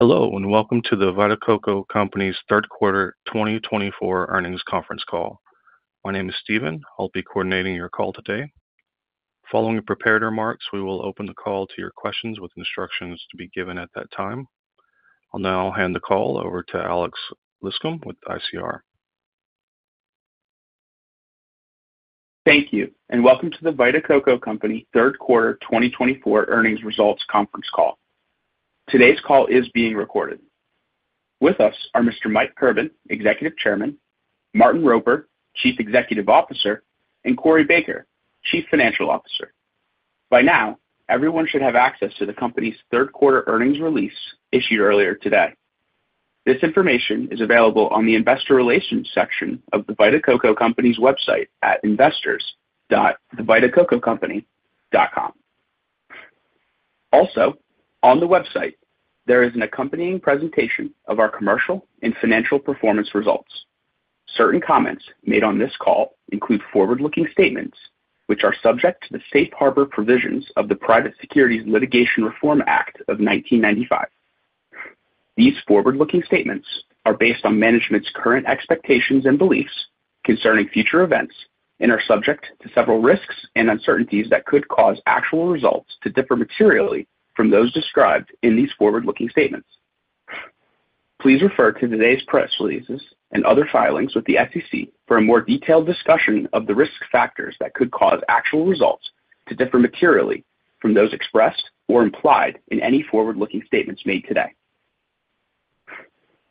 Hello, and welcome to the Vita Coco Company's third quarter 2024 earnings conference call. My name is Steven. I'll be coordinating your call today. Following the prepared remarks, we will open the call to your questions with instructions to be given at that time. I'll now hand the call over to Alex Liscum with ICR. Thank you, and welcome to the Vita Coco Company third quarter 2024 earnings results conference call. Today's call is being recorded. With us are Mr. Mike Kirban, Executive Chairman, Martin Roper, Chief Executive Officer, and Corey Baker, Chief Financial Officer. By now, everyone should have access to the company's third quarter earnings release issued earlier today. This information is available on the investor relations section of the Vita Coco Company's website at investors.thevitacococompany.com. Also, on the website, there is an accompanying presentation of our commercial and financial performance results. Certain comments made on this call include forward-looking statements, which are subject to the safe harbor provisions of the Private Securities Litigation Reform Act of 1995. These forward-looking statements are based on management's current expectations and beliefs concerning future events and are subject to several risks and uncertainties that could cause actual results to differ materially from those described in these forward-looking statements. Please refer to today's press releases and other filings with the SEC for a more detailed discussion of the risk factors that could cause actual results to differ materially from those expressed or implied in any forward-looking statements made today.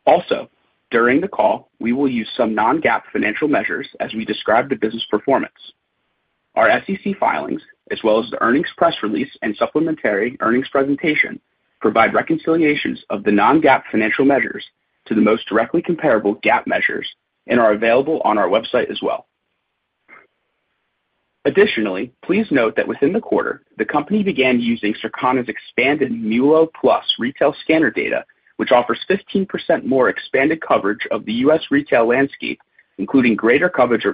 Also, during the call, we will use some non-GAAP financial measures as we describe the business performance. Our SEC filings, as well as the earnings press release and supplementary earnings presentation, provide reconciliations of the non-GAAP financial measures to the most directly comparable GAAP measures and are available on our website as well. Additionally, please note that within the quarter, the company began using Circana's expanded MULO Plus retail scanner data, which offers 15% more expanded coverage of the U.S. retail landscape, including greater coverage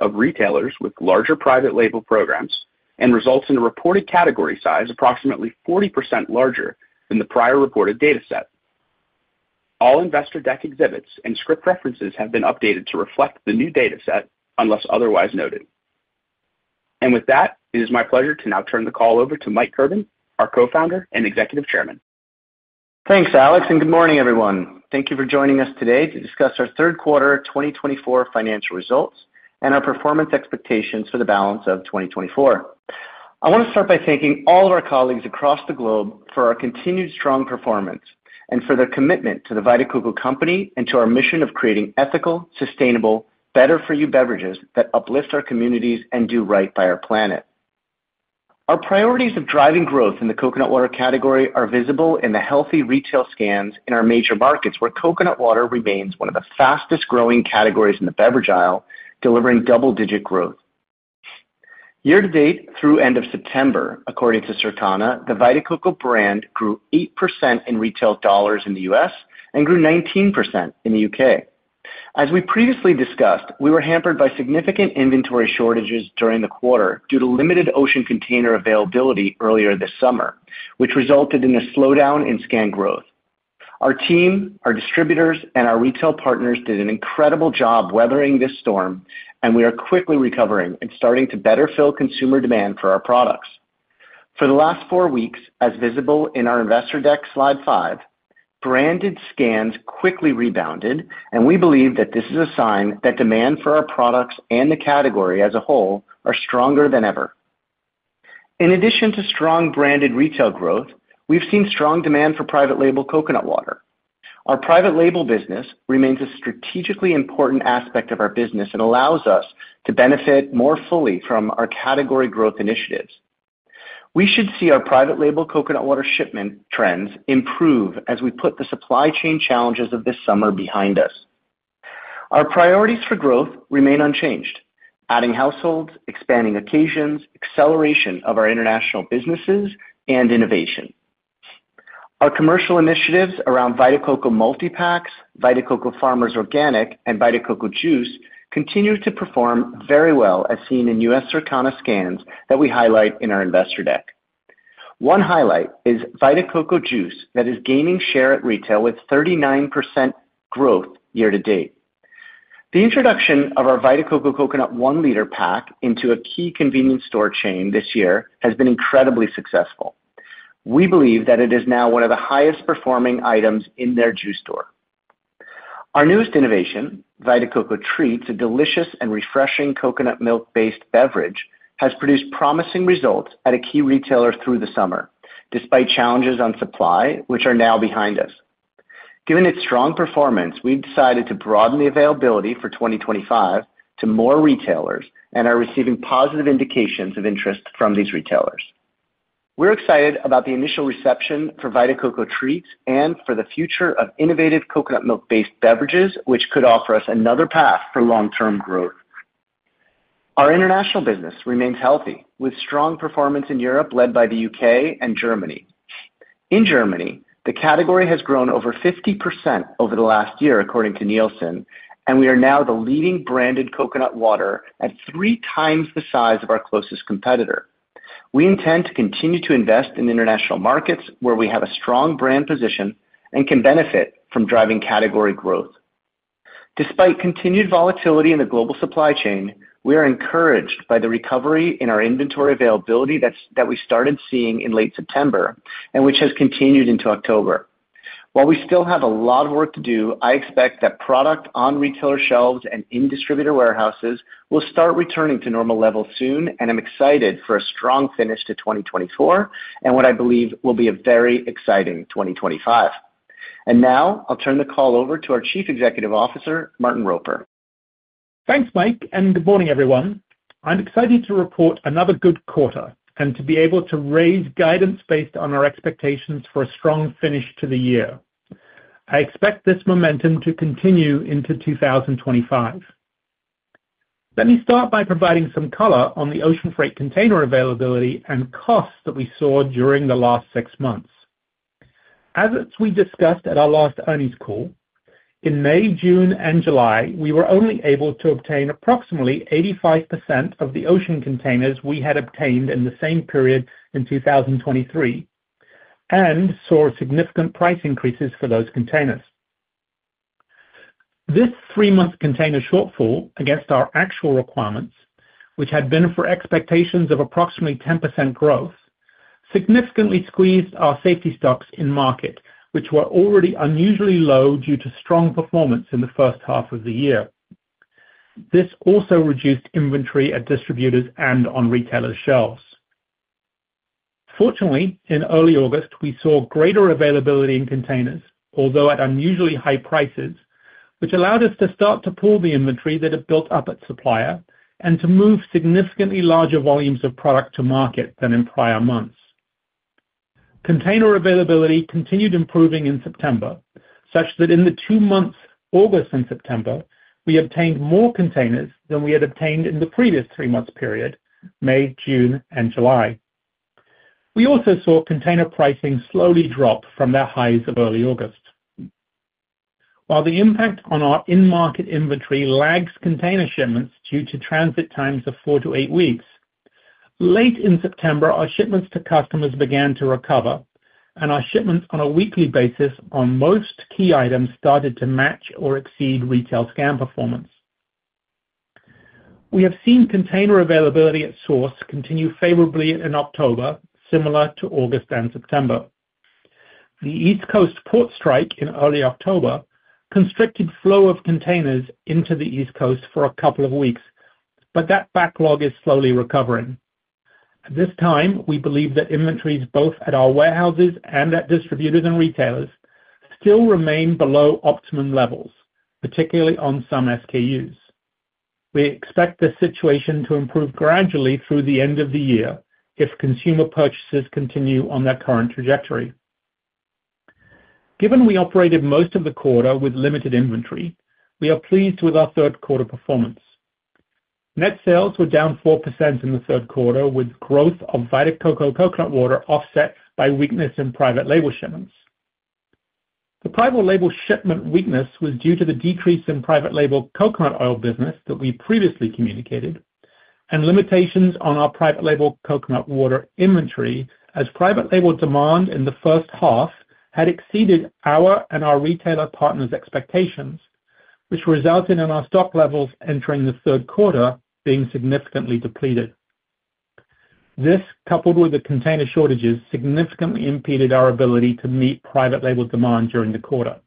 of retailers with larger private label programs, and results in a reported category size approximately 40% larger than the prior reported data set. All investor deck exhibits and script references have been updated to reflect the new data set unless otherwise noted. And with that, it is my pleasure to now turn the call over to Mike Kirban, our co-founder and Executive Chairman. Thanks, Alex, and good morning, everyone. Thank you for joining us today to discuss our third quarter 2024 financial results and our performance expectations for the balance of 2024. I want to start by thanking all of our colleagues across the globe for our continued strong performance and for their commitment to the Vita Coco Company and to our mission of creating ethical, sustainable, better-for-you beverages that uplift our communities and do right by our planet. Our priorities of driving growth in the coconut water category are visible in the healthy retail scans in our major markets, where coconut water remains one of the fastest-growing categories in the beverage aisle, delivering double-digit growth. Year-to-date through end of September, according to Circana, the Vita Coco brand grew 8% in retail dollars in the U.S. and grew 19% in the U.K. As we previously discussed, we were hampered by significant inventory shortages during the quarter due to limited ocean container availability earlier this summer, which resulted in a slowdown in scan growth. Our team, our distributors, and our retail partners did an incredible job weathering this storm, and we are quickly recovering and starting to better fill consumer demand for our products. For the last four weeks, as visible in our investor deck slide five, branded scans quickly rebounded, and we believe that this is a sign that demand for our products and the category as a whole are stronger than ever. In addition to strong branded retail growth, we've seen strong demand for private label coconut water. Our private label business remains a strategically important aspect of our business and allows us to benefit more fully from our category growth initiatives. We should see our private label coconut water shipment trends improve as we put the supply chain challenges of this summer behind us. Our priorities for growth remain unchanged: adding households, expanding occasions, acceleration of our international businesses, and innovation. Our commercial initiatives around Vita Coco Multi Packs, Vita Coco Farmers Organic, and Vita Coco Juice continue to perform very well, as seen in U.S. Circana scans that we highlight in our investor deck. One highlight is Vita Coco Juice that is gaining share at retail with 39% growth year-to-date. The introduction of our Vita Coco Coconut one-liter pack into a key convenience store chain this year has been incredibly successful. We believe that it is now one of the highest-performing items in their juice store. Our newest innovation, Vita Coco Treats, a delicious and refreshing coconut milk-based beverage, has produced promising results at a key retailer through the summer, despite challenges on supply, which are now behind us. Given its strong performance, we've decided to broaden the availability for 2025 to more retailers and are receiving positive indications of interest from these retailers. We're excited about the initial reception for Vita Coco Treats and for the future of innovative coconut milk-based beverages, which could offer us another path for long-term growth. Our international business remains healthy, with strong performance in Europe led by the U.K. and Germany. In Germany, the category has grown over 50% over the last year, according to Nielsen, and we are now the leading branded coconut water at three times the size of our closest competitor. We intend to continue to invest in international markets where we have a strong brand position and can benefit from driving category growth. Despite continued volatility in the global supply chain, we are encouraged by the recovery in our inventory availability that we started seeing in late September and which has continued into October. While we still have a lot of work to do, I expect that product on retailer shelves and in distributor warehouses will start returning to normal levels soon, and I'm excited for a strong finish to 2024 and what I believe will be a very exciting 2025, and now I'll turn the call over to our Chief Executive Officer, Martin Roper. Thanks, Mike, and good morning, everyone. I'm excited to report another good quarter and to be able to raise guidance based on our expectations for a strong finish to the year. I expect this momentum to continue into 2025. Let me start by providing some color on the ocean freight container availability and costs that we saw during the last six months. As we discussed at our last earnings call, in May, June, and July, we were only able to obtain approximately 85% of the ocean containers we had obtained in the same period in 2023 and saw significant price increases for those containers. This three-month container shortfall against our actual requirements, which had been for expectations of approximately 10% growth, significantly squeezed our safety stocks in market, which were already unusually low due to strong performance in the first half of the year. This also reduced inventory at distributors and on retailers' shelves. Fortunately, in early August, we saw greater availability in containers, although at unusually high prices, which allowed us to start to pull the inventory that had built up at supplier and to move significantly larger volumes of product to market than in prior months. Container availability continued improving in September, such that in the two months, August and September, we obtained more containers than we had obtained in the previous three-month period, May, June, and July. We also saw container pricing slowly drop from their highs of early August. While the impact on our in-market inventory lags container shipments due to transit times of four to eight weeks, late in September, our shipments to customers began to recover, and our shipments on a weekly basis on most key items started to match or exceed retail scan performance. We have seen container availability at source continue favorably in October, similar to August and September. The East Coast port strike in early October constricted flow of containers into the East Coast for a couple of weeks, but that backlog is slowly recovering. At this time, we believe that inventories both at our warehouses and at distributors and retailers still remain below optimum levels, particularly on some SKUs. We expect this situation to improve gradually through the end of the year if consumer purchases continue on their current trajectory. Given we operated most of the quarter with limited inventory, we are pleased with our third quarter performance. Net sales were down 4% in the third quarter, with growth of Vita Coco Coconut Water offset by weakness in private label shipments. The private label shipment weakness was due to the decrease in private label coconut oil business that we previously communicated and limitations on our private label coconut water inventory, as private label demand in the first half had exceeded our and our retailer partners' expectations, which resulted in our stock levels entering the third quarter being significantly depleted. This, coupled with the container shortages, significantly impeded our ability to meet private label demand during the quarter.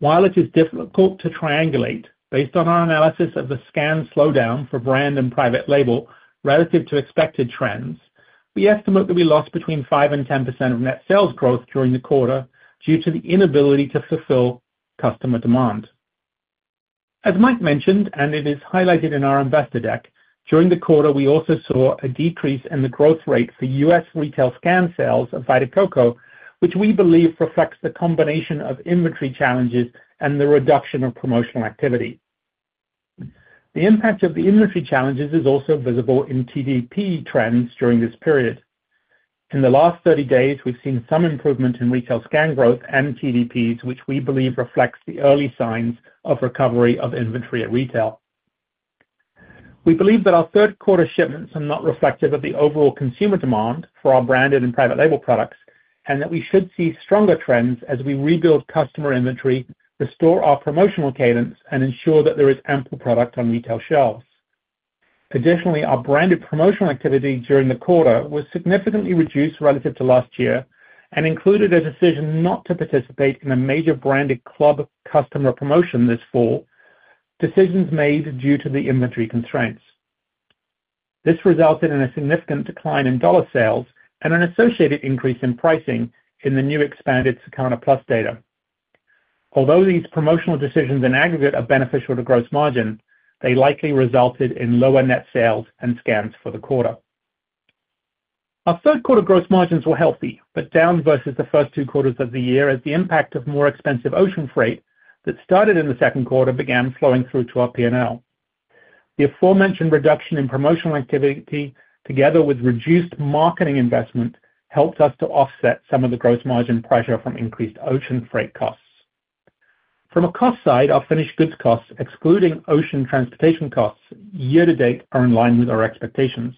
While it is difficult to triangulate based on our analysis of the scan slowdown for brand and private label relative to expected trends, we estimate that we lost between 5% and 10% of net sales growth during the quarter due to the inability to fulfill customer demand. As Mike mentioned, and it is highlighted in our investor deck, during the quarter, we also saw a decrease in the growth rate for U.S. Retail scan sales of Vita Coco, which we believe reflects the combination of inventory challenges and the reduction of promotional activity. The impact of the inventory challenges is also visible in TDP trends during this period. In the last 30 days, we've seen some improvement in retail scan growth and TDPs, which we believe reflects the early signs of recovery of inventory at retail. We believe that our third quarter shipments are not reflective of the overall consumer demand for our branded and private label products and that we should see stronger trends as we rebuild customer inventory, restore our promotional cadence, and ensure that there is ample product on retail shelves. Additionally, our branded promotional activity during the quarter was significantly reduced relative to last year and included a decision not to participate in a major branded club customer promotion this fall, decisions made due to the inventory constraints. This resulted in a significant decline in dollar sales and an associated increase in pricing in the new expanded Circana Plus data. Although these promotional decisions in aggregate are beneficial to gross margin, they likely resulted in lower net sales and scans for the quarter. Our third quarter gross margins were healthy, but down versus the first two quarters of the year as the impact of more expensive ocean freight that started in the second quarter began flowing through to our P&L. The aforementioned reduction in promotional activity, together with reduced marketing investment, helped us to offset some of the gross margin pressure from increased ocean freight costs. From a cost side, our finished goods costs, excluding ocean transportation costs, year-to-date are in line with our expectations.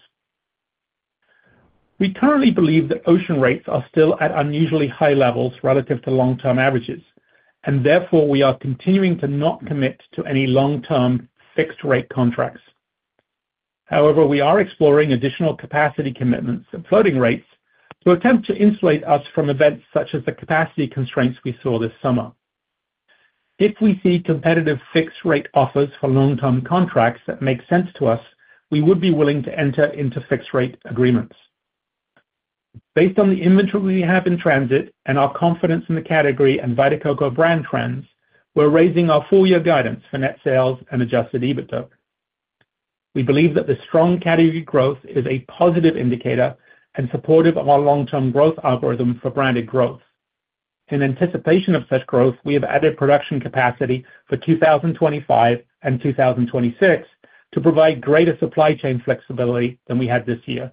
We currently believe that ocean rates are still at unusually high levels relative to long-term averages, and therefore we are continuing to not commit to any long-term fixed-rate contracts. However, we are exploring additional capacity commitments and floating rates to attempt to insulate us from events such as the capacity constraints we saw this summer. If we see competitive fixed-rate offers for long-term contracts that make sense to us, we would be willing to enter into fixed-rate agreements. Based on the inventory we have in transit and our confidence in the category and Vita Coco brand trends, we're raising our four-year guidance for net sales and Adjusted EBITDA. We believe that the strong category growth is a positive indicator and supportive of our long-term growth algorithm for branded growth. In anticipation of such growth, we have added production capacity for 2025 and 2026 to provide greater supply chain flexibility than we had this year.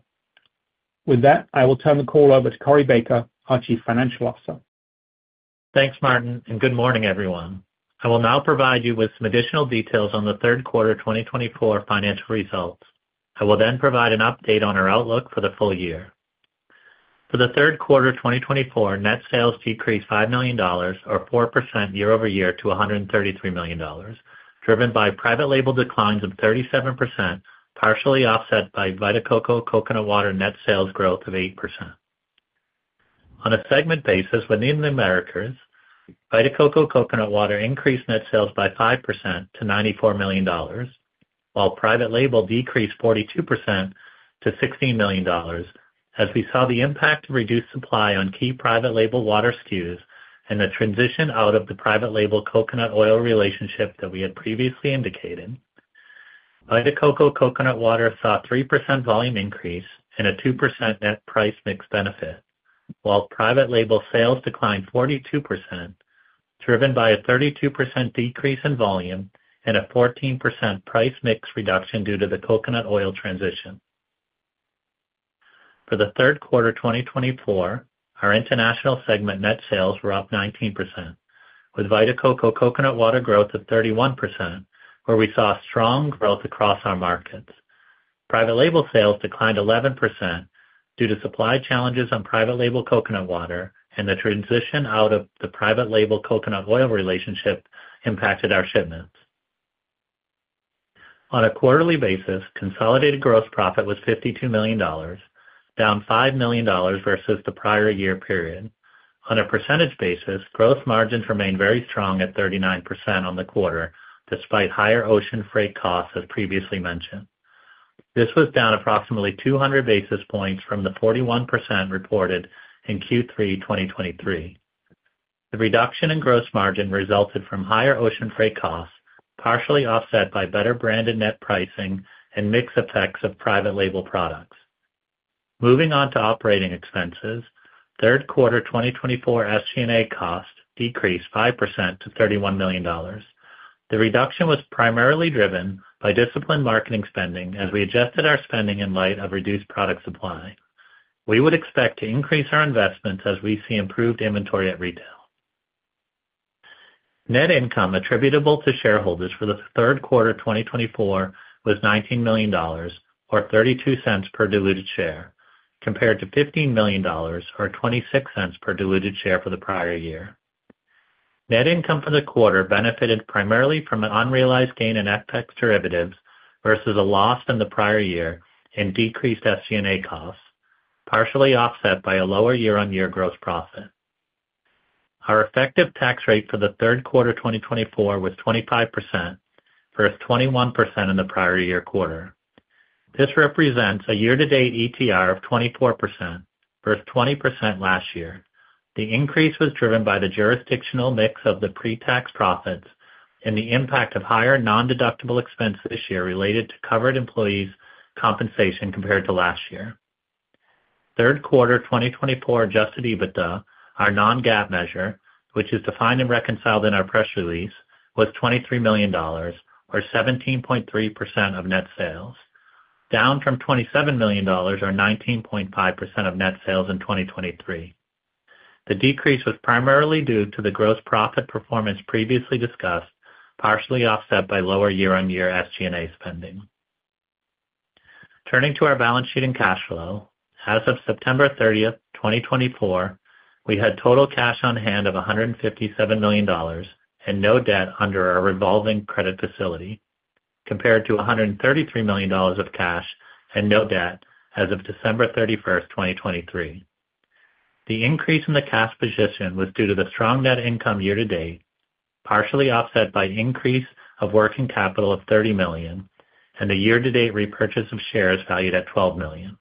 With that, I will turn the call over to Corey Baker, our Chief Financial Officer. Thanks, Martin, and good morning, everyone. I will now provide you with some additional details on the third quarter 2024 financial results. I will then provide an update on our outlook for the full year. For the third quarter 2024, net sales decreased $5 million, or 4% year-over-year, to $133 million, driven by private label declines of 37%, partially offset by Vita Coco Coconut Water net sales growth of 8%. On a segment basis, within the Americas, Vita Coco Coconut Water increased net sales by 5% to $94 million, while private label decreased 42% to $16 million, as we saw the impact of reduced supply on key private label water SKUs and the transition out of the private label coconut oil relationship that we had previously indicated. Vita Coco Coconut Water saw a 3% volume increase and a 2% net price mix benefit, while private label sales declined 42%, driven by a 32% decrease in volume and a 14% price mix reduction due to the coconut oil transition. For the third quarter 2024, our international segment net sales were up 19%, with Vita Coco Coconut Water growth of 31%, where we saw strong growth across our markets. Private label sales declined 11% due to supply challenges on private label coconut water, and the transition out of the private label coconut oil relationship impacted our shipments. On a quarterly basis, consolidated gross profit was $52 million, down $5 million versus the prior year period. On a percentage basis, gross margins remained very strong at 39% on the quarter, despite higher ocean freight costs, as previously mentioned. This was down approximately 200 basis points from the 41% reported in Q3 2023. The reduction in gross margin resulted from higher ocean freight costs, partially offset by better branded net pricing and mix effects of private label products. Moving on to operating expenses, third quarter 2024 SG&A costs decreased 5% to $31 million. The reduction was primarily driven by disciplined marketing spending, as we adjusted our spending in light of reduced product supply. We would expect to increase our investments as we see improved inventory at retail. Net income attributable to shareholders for the third quarter 2024 was $19 million, or 32 cents per diluted share, compared to $15 million, or 26 cents per diluted share for the prior year. Net income for the quarter benefited primarily from an unrealized gain in FX derivatives versus a loss from the prior year and decreased SG&A costs, partially offset by a lower year-on-year gross profit. Our effective tax rate for the third quarter 2024 was 25%, versus 21% in the prior year quarter. This represents a year-to-date ETR of 24%, versus 20% last year. The increase was driven by the jurisdictional mix of the pre-tax profits and the impact of higher non-deductible expenses this year related to covered employees' compensation compared to last year. Third quarter 2024 adjusted EBITDA, our non-GAAP measure, which is defined and reconciled in our press release, was $23 million, or 17.3% of net sales, down from $27 million, or 19.5% of net sales in 2023. The decrease was primarily due to the gross profit performance previously discussed, partially offset by lower year-on-year SG&A spending. Turning to our balance sheet and cash flow, as of September 30, 2024, we had total cash on hand of $157 million and no debt under our revolving credit facility, compared to $133 million of cash and no debt as of December 31, 2023. The increase in the cash position was due to the strong net income year-to-date, partially offset by an increase of working capital of $30 million, and a year-to-date repurchase of shares valued at $12 million.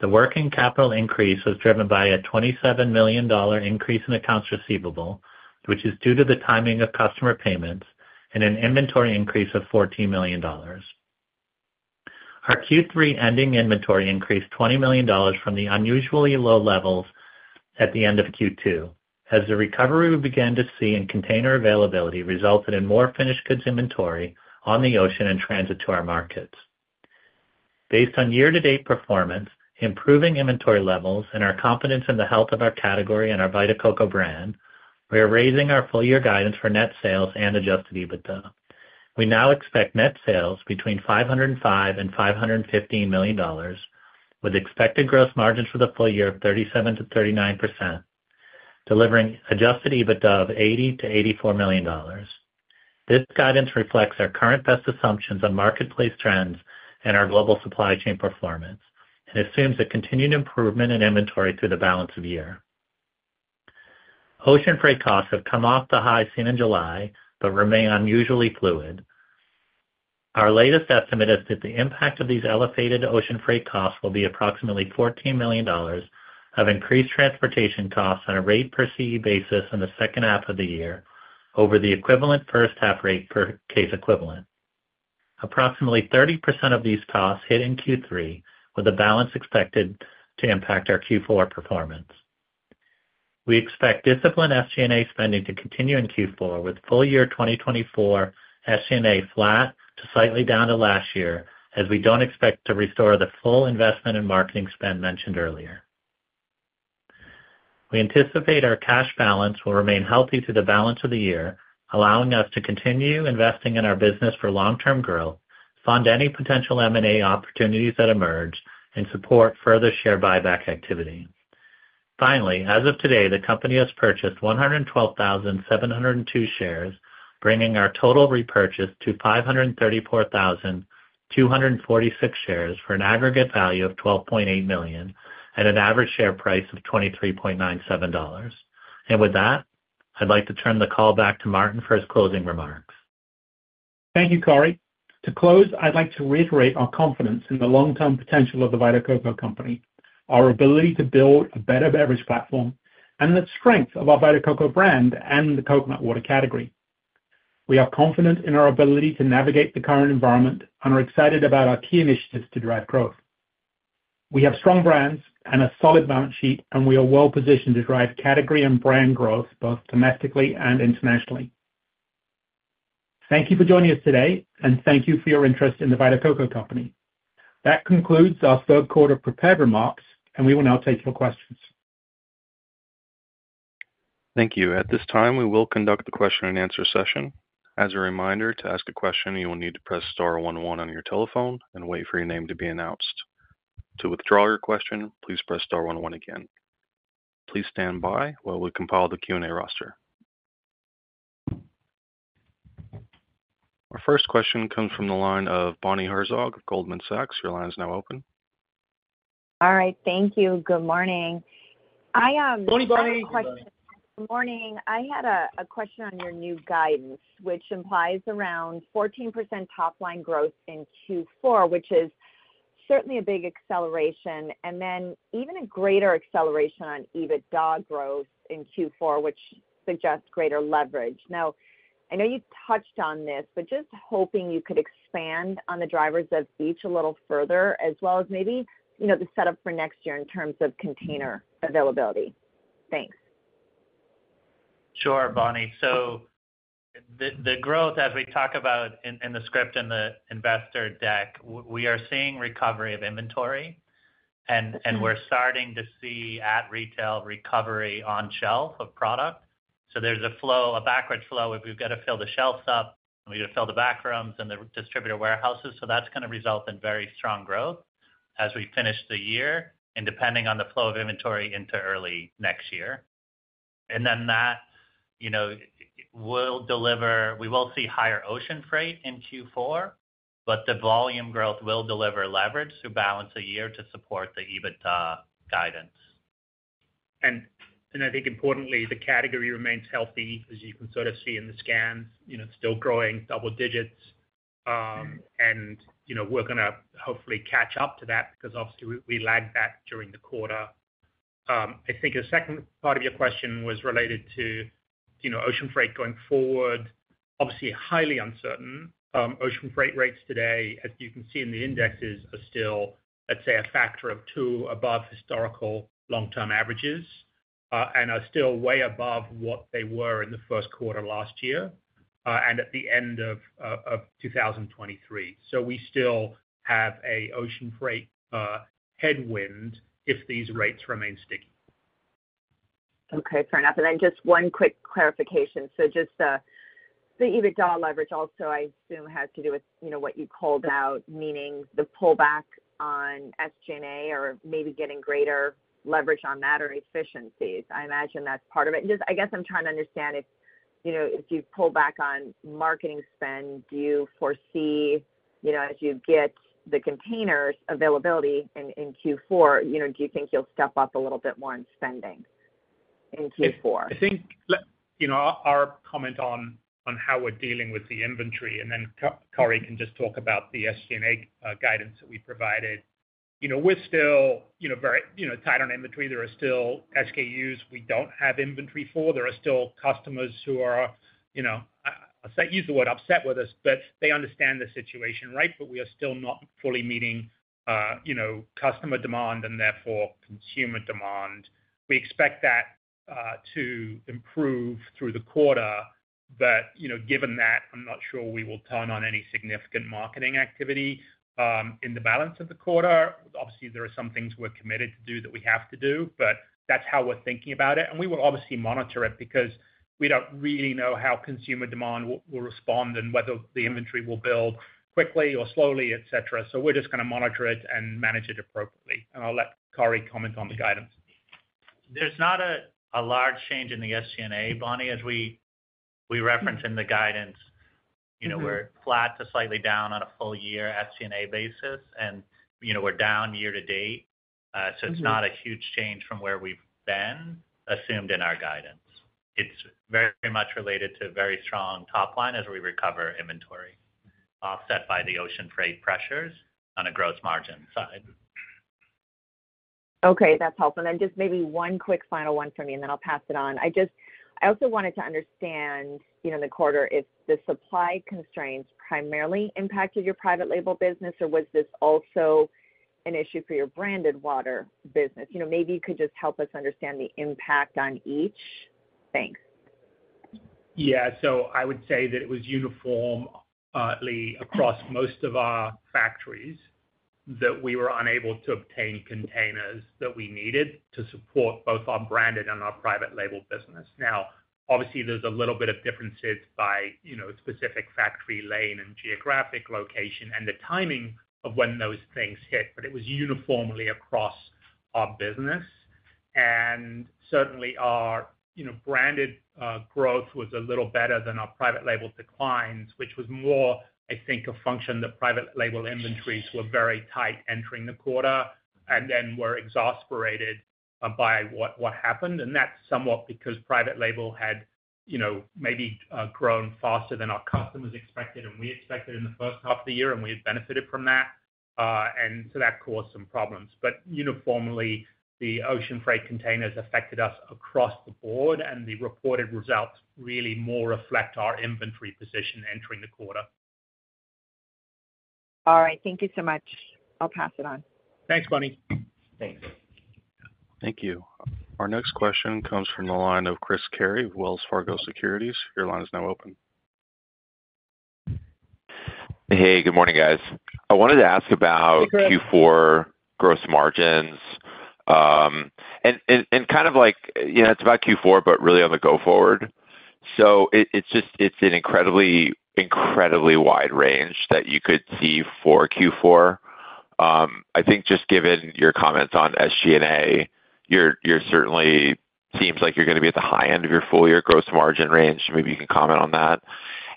The working capital increase was driven by a $27 million increase in accounts receivable, which is due to the timing of customer payments, and an inventory increase of $14 million. Our Q3 ending inventory increased $20 million from the unusually low levels at the end of Q2, as the recovery we began to see in container availability resulted in more finished goods inventory on the ocean and transit to our markets. Based on year-to-date performance, improving inventory levels, and our confidence in the health of our category and our Vita Coco brand, we are raising our full-year guidance for net sales and Adjusted EBITDA. We now expect net sales between $505-$515 million, with expected gross margins for the full year of 37%-39%, delivering Adjusted EBITDA of $80-$84 million. This guidance reflects our current best assumptions on marketplace trends and our global supply chain performance and assumes a continued improvement in inventory through the balance of the year. Ocean freight costs have come off the high seen in July but remain unusually fluid. Our latest estimate is that the impact of these elevated ocean freight costs will be approximately $14 million of increased transportation costs on a rate per CE basis in the second half of the year over the equivalent first half rate per case equivalent. Approximately 30% of these costs hit in Q3, with the balance expected to impact our Q4 performance. We expect disciplined SG&A spending to continue in Q4, with full-year 2024 SG&A flat to slightly down to last year, as we don't expect to restore the full investment and marketing spend mentioned earlier. We anticipate our cash balance will remain healthy through the balance of the year, allowing us to continue investing in our business for long-term growth, fund any potential M&A opportunities that emerge, and support further share buyback activity. Finally, as of today, the company has purchased 112,702 shares, bringing our total repurchase to 534,246 shares for an aggregate value of $12.8 million and an average share price of $23.97. And with that, I'd like to turn the call back to Martin for his closing remarks. Thank you, Corey. To close, I'd like to reiterate our confidence in the long-term potential of the Vita Coco Company, our ability to build a better beverage platform, and the strength of our Vita Coco brand and the coconut water category. We are confident in our ability to navigate the current environment and are excited about our key initiatives to drive growth. We have strong brands and a solid balance sheet, and we are well-positioned to drive category and brand growth both domestically and internationally. Thank you for joining us today, and thank you for your interest in the Vita Coco Company. That concludes our third quarter prepared remarks, and we will now take your questions. Thank you. At this time, we will conduct the question-and-answer session. As a reminder, to ask a question, you will need to press star 101 on your telephone and wait for your name to be announced. To withdraw your question, please press star 101 again. Please stand by while we compile the Q&A roster. Our first question comes from the line of Bonnie Herzog of Goldman Sachs. Your line is now open. All right. Thank you. Good morning. I have a question. Bonnie, Bonnie. Good morning. I had a question on your new guidance, which implies around 14% top-line growth in Q4, which is certainly a big acceleration, and then even a greater acceleration on EBITDA growth in Q4, which suggests greater leverage. Now, I know you touched on this, but just hoping you could expand on the drivers of each a little further, as well as maybe the setup for next year in terms of container availability. Thanks. Sure, Bonnie. So the growth, as we talk about in the script and the investor deck, we are seeing recovery of inventory, and we're starting to see at retail recovery on shelf of product. So there's a backwards flow if we've got to fill the shelves up, and we've got to fill the back rooms and the distributor warehouses. So that's going to result in very strong growth as we finish the year, and depending on the flow of inventory into early next year. And then that will deliver. We will see higher ocean freight in Q4, but the volume growth will deliver leverage through balance of the year to support the EBITDA guidance. I think, importantly, the category remains healthy, as you can sort of see in the scans, still growing double digits, and we're going to hopefully catch up to that because, obviously, we lagged back during the quarter. I think the second part of your question was related to ocean freight going forward. Obviously, highly uncertain. Ocean freight rates today, as you can see in the indexes, are still, let's say, a factor of two above historical long-term averages and are still way above what they were in the first quarter last year and at the end of 2023. We still have an ocean freight headwind if these rates remain sticky. Okay. Fair enough. And then just one quick clarification. So just the EBITDA leverage also, I assume, has to do with what you called out, meaning the pullback on SG&A or maybe getting greater leverage on that or efficiencies. I imagine that's part of it. And I guess I'm trying to understand if you pull back on marketing spend, do you foresee, as you get the containers' availability in Q4, do you think you'll step up a little bit more in spending in Q4? I think our comment on how we're dealing with the inventory, and then Corey can just talk about the SG&A guidance that we provided, we're still very tight on inventory. There are still SKUs we don't have inventory for. There are still customers who are, I'll use the word upset with us, but they understand the situation, right? But we are still not fully meeting customer demand and therefore consumer demand. We expect that to improve through the quarter, but given that, I'm not sure we will turn on any significant marketing activity in the balance of the quarter. Obviously, there are some things we're committed to do that we have to do, but that's how we're thinking about it, and we will obviously monitor it because we don't really know how consumer demand will respond and whether the inventory will build quickly or slowly, etc. So we're just going to monitor it and manage it appropriately. And I'll let Corey comment on the guidance. There's not a large change in the SG&A, Bonnie, as we referenced in the guidance. We're flat to slightly down on a full-year SG&A basis, and we're down year-to-date. So it's not a huge change from where we've been assumed in our guidance. It's very much related to very strong top line as we recover inventory, offset by the ocean freight pressures on a gross margin side. Okay. That's helpful. And then just maybe one quick final one from me, and then I'll pass it on. I also wanted to understand in the quarter if the supply constraints primarily impacted your private label business, or was this also an issue for your branded water business? Maybe you could just help us understand the impact on each. Thanks. Yeah, so I would say that it was uniformly across most of our factories that we were unable to obtain containers that we needed to support both our branded and our private label business. Now, obviously, there's a little bit of differences by specific factory lane and geographic location and the timing of when those things hit, but it was uniformly across our business, and certainly, our branded growth was a little better than our private label declines, which was more, I think, a function that private label inventories were very tight entering the quarter and then were exacerbated by what happened, and that's somewhat because private label had maybe grown faster than our customers expected, and we expected in the first half of the year, and we had benefited from that, and so that caused some problems. But uniformly, the ocean freight containers affected us across the board, and the reported results really more reflect our inventory position entering the quarter. All right. Thank you so much. I'll pass it on. Thanks, Bonnie. Thanks. Thank you. Our next question comes from the line of Chris Carey of Wells Fargo Securities. Your line is now open. Hey, good morning, guys. I wanted to ask about Q4 gross margins and kind of like it's about Q4, but really on the go-forward. So it's an incredibly, incredibly wide range that you could see for Q4. I think just given your comments on SG&A, it certainly seems like you're going to be at the high end of your full-year gross margin range. Maybe you can comment on that.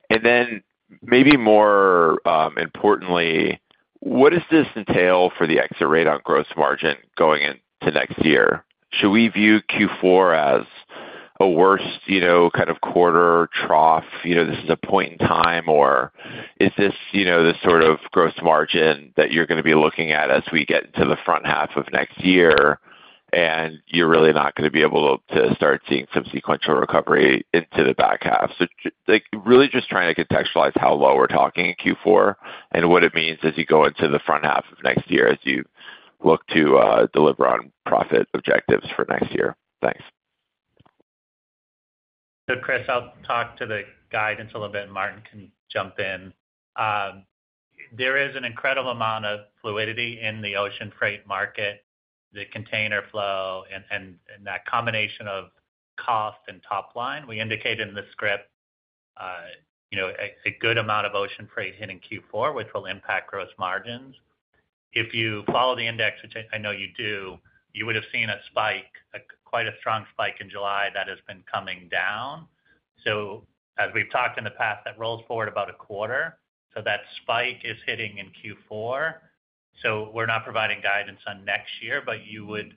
And then maybe more importantly, what does this entail for the exit rate on gross margin going into next year? Should we view Q4 as a worst kind of quarter trough? This is a point in time, or is this the sort of gross margin that you're going to be looking at as we get into the front half of next year, and you're really not going to be able to start seeing some sequential recovery into the back half? So really just trying to contextualize how low we're talking in Q4 and what it means as you go into the front half of next year as you look to deliver on profit objectives for next year. Thanks. So, Chris, I'll talk to the guidance a little bit. Martin can jump in. There is an incredible amount of fluidity in the ocean freight market, the container flow, and that combination of cost and top line. We indicate in the script a good amount of ocean freight hitting Q4, which will impact gross margins. If you follow the index, which I know you do, you would have seen a spike, quite a strong spike in July that has been coming down. So as we've talked in the past, that rolls forward about a quarter. So that spike is hitting in Q4. So we're not providing guidance on next year, but you would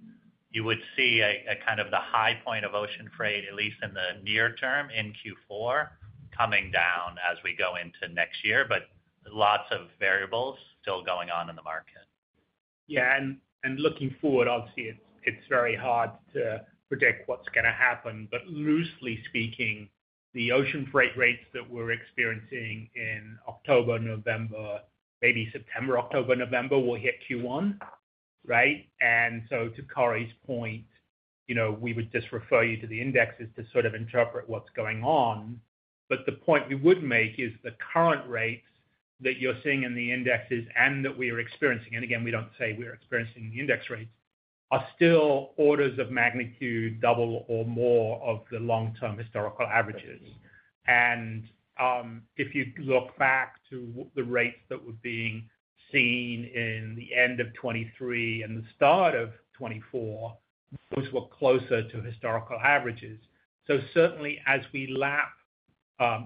see kind of the high point of ocean freight, at least in the near term, in Q4 coming down as we go into next year, but lots of variables still going on in the market. Yeah. And looking forward, obviously, it's very hard to predict what's going to happen. But loosely speaking, the ocean freight rates that we're experiencing in October, November, maybe September, October, November will hit Q1, right? And so to Corey's point, we would just refer you to the indexes to sort of interpret what's going on. But the point we would make is the current rates that you're seeing in the indexes and that we are experiencing, and again, we don't say we're experiencing the index rates, are still orders of magnitude double or more of the long-term historical averages. And if you look back to the rates that were being seen in the end of 2023 and the start of 2024, those were closer to historical averages. Certainly, as we lap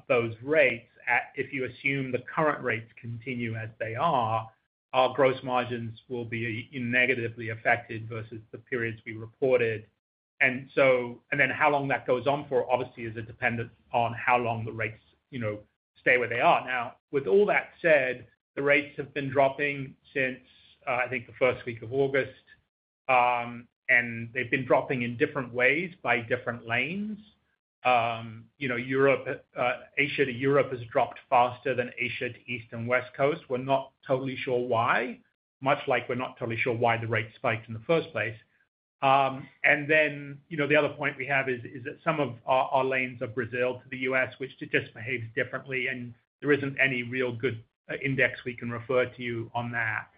those rates, if you assume the current rates continue as they are, our gross margins will be negatively affected versus the periods we reported. And then how long that goes on for, obviously, is dependent on how long the rates stay where they are. Now, with all that said, the rates have been dropping since I think the first week of August, and they've been dropping in different ways by different lanes. Asia to Europe has dropped faster than Asia to East and West Coast. We're not totally sure why, much like we're not totally sure why the rate spiked in the first place. And then the other point we have is that some of our lanes of Brazil to the U.S., which just behaves differently, and there isn't any real good index we can refer to on that.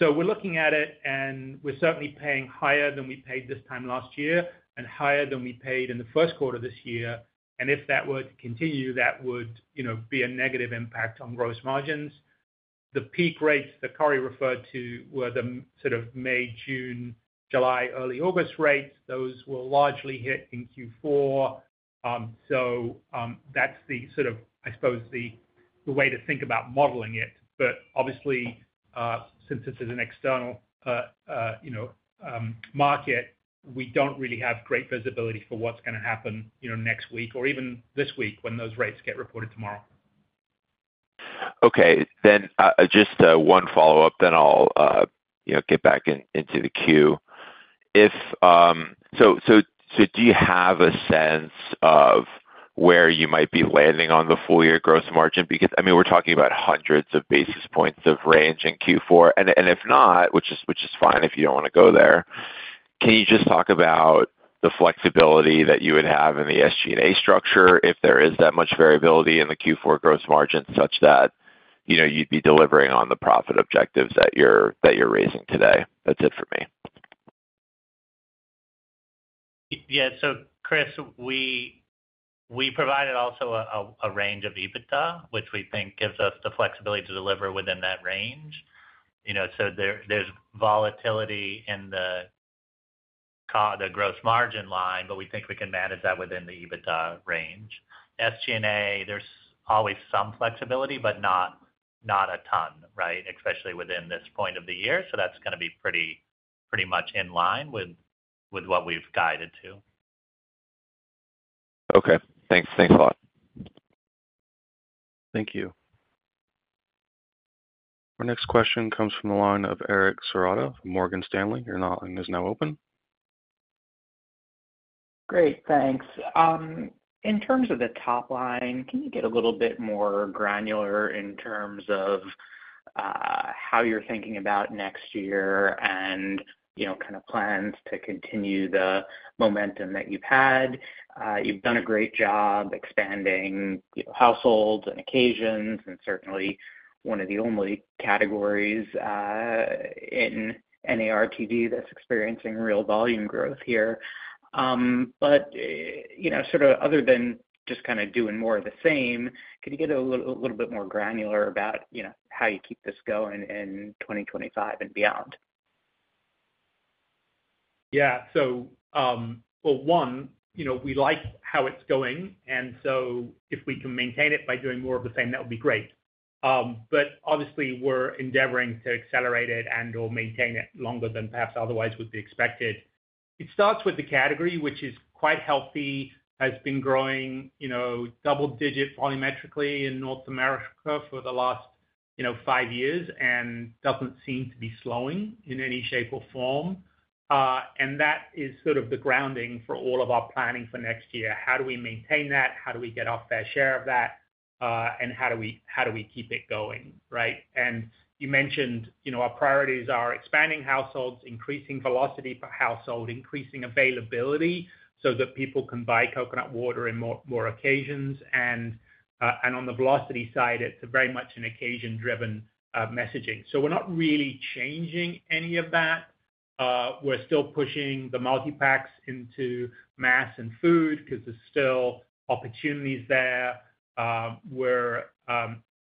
We're looking at it, and we're certainly paying higher than we paid this time last year and higher than we paid in the first quarter this year. And if that were to continue, that would be a negative impact on gross margins. The peak rates that Corey referred to were the sort of May, June, July, early August rates. Those will largely hit in Q4. That's the sort of, I suppose, the way to think about modeling it. But obviously, since this is an external market, we don't really have great visibility for what's going to happen next week or even this week when those rates get reported tomorrow. Okay, then just one follow-up, then I'll get back into the queue, so do you have a sense of where you might be landing on the full-year gross margin? Because, I mean, we're talking about hundreds of basis points of range in Q4, and if not, which is fine if you don't want to go there, can you just talk about the flexibility that you would have in the SG&A structure if there is that much variability in the Q4 gross margin such that you'd be delivering on the profit objectives that you're raising today? That's it for me. Yeah. So, Chris, we provided also a range of EBITDA, which we think gives us the flexibility to deliver within that range. So there's volatility in the gross margin line, but we think we can manage that within the EBITDA range. SG&A, there's always some flexibility, but not a ton, right, especially within this point of the year. So that's going to be pretty much in line with what we've guided to. Okay. Thanks. Thanks a lot. Thank you. Our next question comes from the line of Eric Serotta from Morgan Stanley. Your line is now open. Great. Thanks. In terms of the top line, can you get a little bit more granular in terms of how you're thinking about next year and kind of plans to continue the momentum that you've had? You've done a great job expanding households and occasions and certainly one of the only categories in NARTD that's experiencing real volume growth here. But sort of other than just kind of doing more of the same, can you get a little bit more granular about how you keep this going in 2025 and beyond? Yeah. So, well, one, we like how it's going. And so if we can maintain it by doing more of the same, that would be great. But obviously, we're endeavoring to accelerate it and/or maintain it longer than perhaps otherwise would be expected. It starts with the category, which is quite healthy, has been growing double-digit volumetrically in North America for the last five years and doesn't seem to be slowing in any shape or form. And that is sort of the grounding for all of our planning for next year. How do we maintain that? How do we get our fair share of that? And how do we keep it going, right? And you mentioned our priorities are expanding households, increasing velocity per household, increasing availability so that people can buy coconut water in more occasions. And on the velocity side, it's very much an occasion-driven messaging. So we're not really changing any of that. We're still pushing the multi-packs into mass and food because there's still opportunities there. We're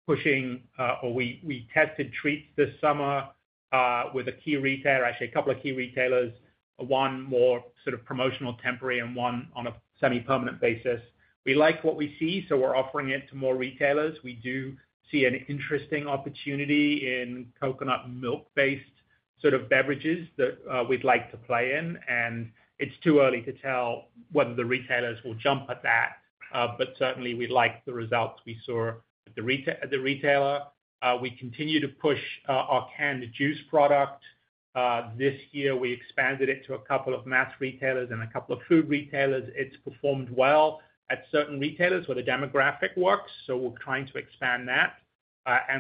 pushing, or we tested treats this summer with a key retailer, actually a couple of key retailers, one more sort of promotional temporary and one on a semi-permanent basis. We like what we see, so we're offering it to more retailers. We do see an interesting opportunity in coconut milk-based sort of beverages that we'd like to play in. And it's too early to tell whether the retailers will jump at that, but certainly, we like the results we saw at the retailer. We continue to push our canned juice product. This year, we expanded it to a couple of mass retailers and a couple of food retailers. It's performed well at certain retailers where the demographic works. So we're trying to expand that.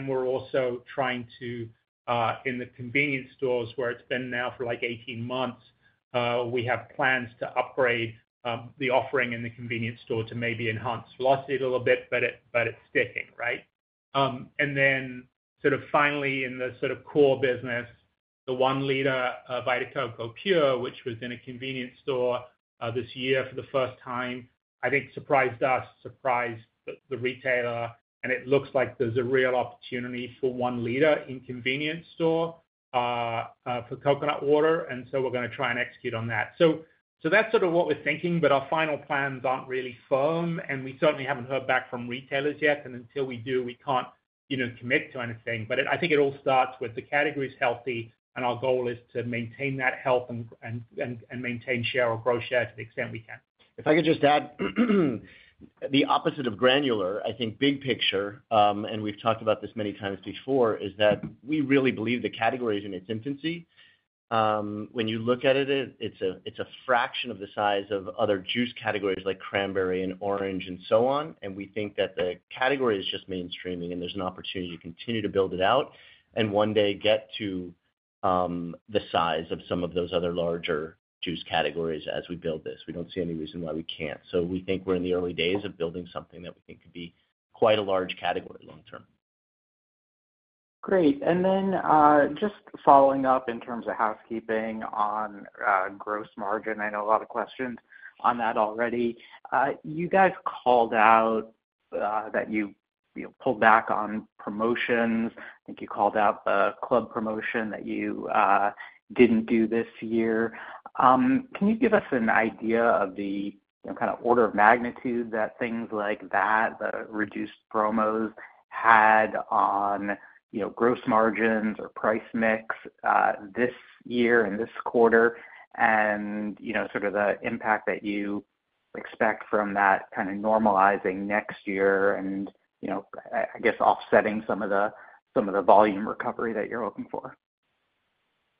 We're also trying to, in the convenience stores where it's been now for like 18 months, we have plans to upgrade the offering in the convenience store to maybe enhance velocity a little bit, but it's sticking, right? Then sort of finally, in the sort of core business, the one-liter Vita Coco Pure, which was in a convenience store this year for the first time, I think surprised us, surprised the retailer. It looks like there's a real opportunity for one-liter in convenience store for coconut water. We're going to try and execute on that. That's sort of what we're thinking, but our final plans aren't really firm. We certainly haven't heard back from retailers yet. Until we do, we can't commit to anything. But I think it all starts with the category is healthy, and our goal is to maintain that health and maintain share or grow share to the extent we can. If I could just add the opposite of granular, I think big picture, and we've talked about this many times before, is that we really believe the category is in its infancy. When you look at it, it's a fraction of the size of other juice categories like cranberry and orange and so on, and we think that the category is just mainstreaming, and there's an opportunity to continue to build it out and one day get to the size of some of those other larger juice categories as we build this. We don't see any reason why we can't, so we think we're in the early days of building something that we think could be quite a large category long-term. Great. And then just following up in terms of housekeeping on gross margin, I know a lot of questions on that already. You guys called out that you pulled back on promotions. I think you called out the club promotion that you didn't do this year. Can you give us an idea of the kind of order of magnitude that things like that, the reduced promos had on gross margins or price mix this year and this quarter and sort of the impact that you expect from that kind of normalizing next year and, I guess, offsetting some of the volume recovery that you're hoping for?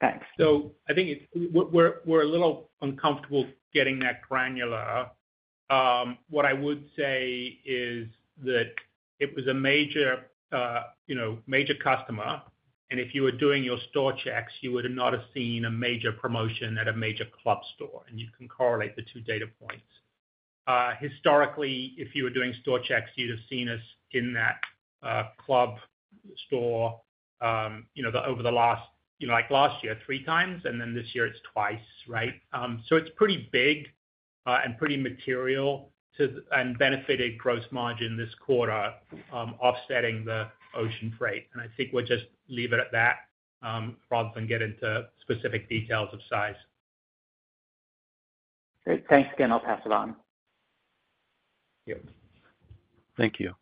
Thanks. So I think we're a little uncomfortable getting that granular. What I would say is that it was a major customer. And if you were doing your store checks, you would not have seen a major promotion at a major club store. And you can correlate the two data points. Historically, if you were doing store checks, you'd have seen us in that club store over the last, like last year, three times, and then this year it's twice, right? So it's pretty big and pretty material and benefited gross margin this quarter, offsetting the ocean freight. And I think we'll just leave it at that rather than get into specific details of size. Great. Thanks again. I'll pass it on. Yep. Thank you.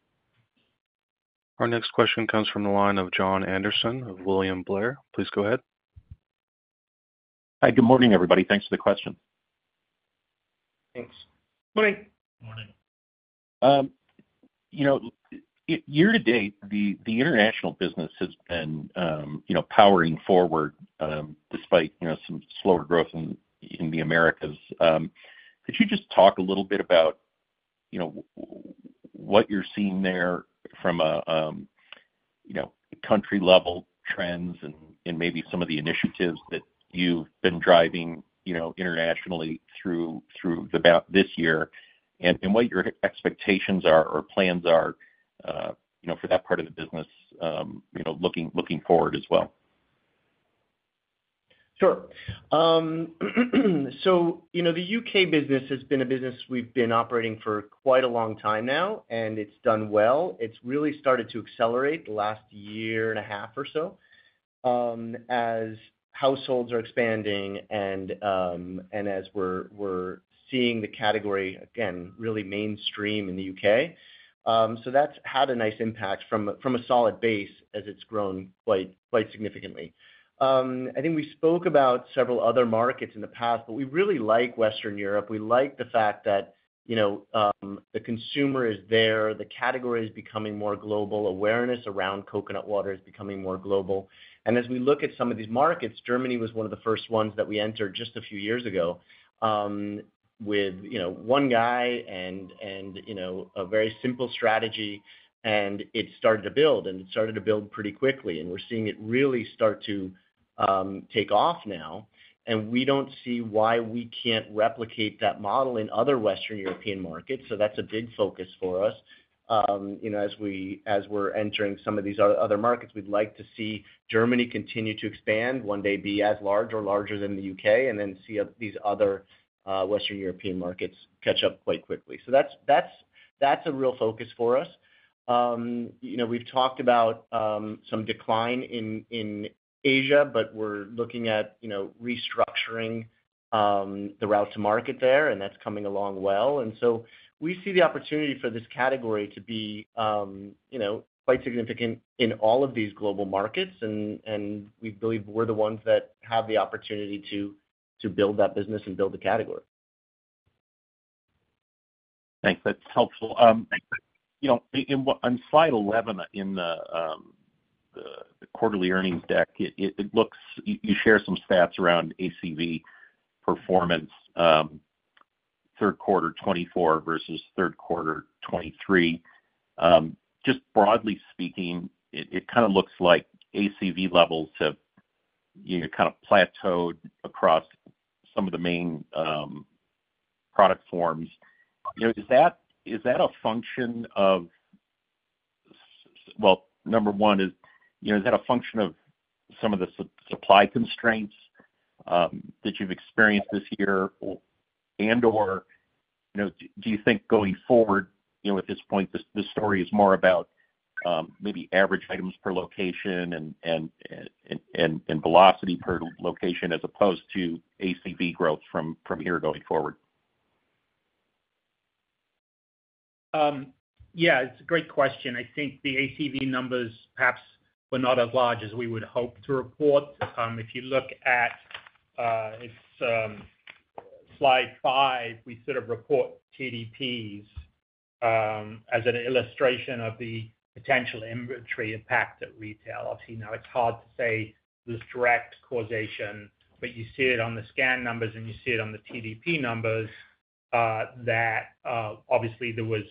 Our next question comes from the line of Jon Andersen of William Blair. Please go ahead. Hi. Good morning, everybody. Thanks for the question. Thanks. Good morning. Morning. Year to date, the international business has been powering forward despite some slower growth in the Americas. Could you just talk a little bit about what you're seeing there from country-level trends and maybe some of the initiatives that you've been driving internationally through this year and what your expectations are or plans are for that part of the business looking forward as well? Sure. So the U.K. business has been a business we've been operating for quite a long time now, and it's done well. It's really started to accelerate the last year and a half or so as households are expanding and as we're seeing the category, again, really mainstream in the U.K. So that's had a nice impact from a solid base as it's grown quite significantly. I think we spoke about several other markets in the past, but we really like Western Europe. We like the fact that the consumer is there. The category is becoming more global. Awareness around coconut water is becoming more global. And as we look at some of these markets, Germany was one of the first ones that we entered just a few years ago with one guy and a very simple strategy, and it started to build. And it started to build pretty quickly. And we're seeing it really start to take off now. And we don't see why we can't replicate that model in other Western European markets. So that's a big focus for us. As we're entering some of these other markets, we'd like to see Germany continue to expand, one day be as large or larger than the UK, and then see these other Western European markets catch up quite quickly. So that's a real focus for us. We've talked about some decline in Asia, but we're looking at restructuring the route to market there, and that's coming along well. And so we see the opportunity for this category to be quite significant in all of these global markets. And we believe we're the ones that have the opportunity to build that business and build the category. Thanks. That's helpful. On slide 11 in the quarterly earnings deck, you share some stats around ACV performance, third quarter 2024 versus third quarter 2023. Just broadly speaking, it kind of looks like ACV levels have kind of plateaued across some of the main product forms. Is that a function of, well, number one, is that a function of some of the supply constraints that you've experienced this year? And/or do you think going forward, at this point, the story is more about maybe average items per location and velocity per location as opposed to ACV growth from here going forward? Yeah. It's a great question. I think the ACV numbers perhaps were not as large as we would hope to report. If you look at slide five, we sort of report TDPs as an illustration of the potential inventory impact that retail obviously now. It's hard to say there's direct causation, but you see it on the scan numbers, and you see it on the TDP numbers that obviously there was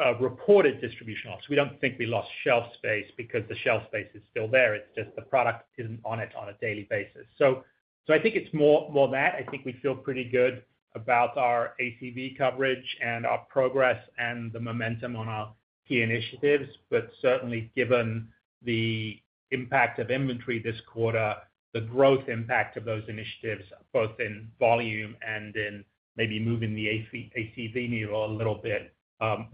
a reported distribution loss. We don't think we lost shelf space because the shelf space is still there. It's just the product isn't on it on a daily basis. So I think it's more that. I think we feel pretty good about our ACV coverage and our progress and the momentum on our key initiatives. But certainly, given the impact of inventory this quarter, the growth impact of those initiatives, both in volume and in maybe moving the ACV needle a little bit,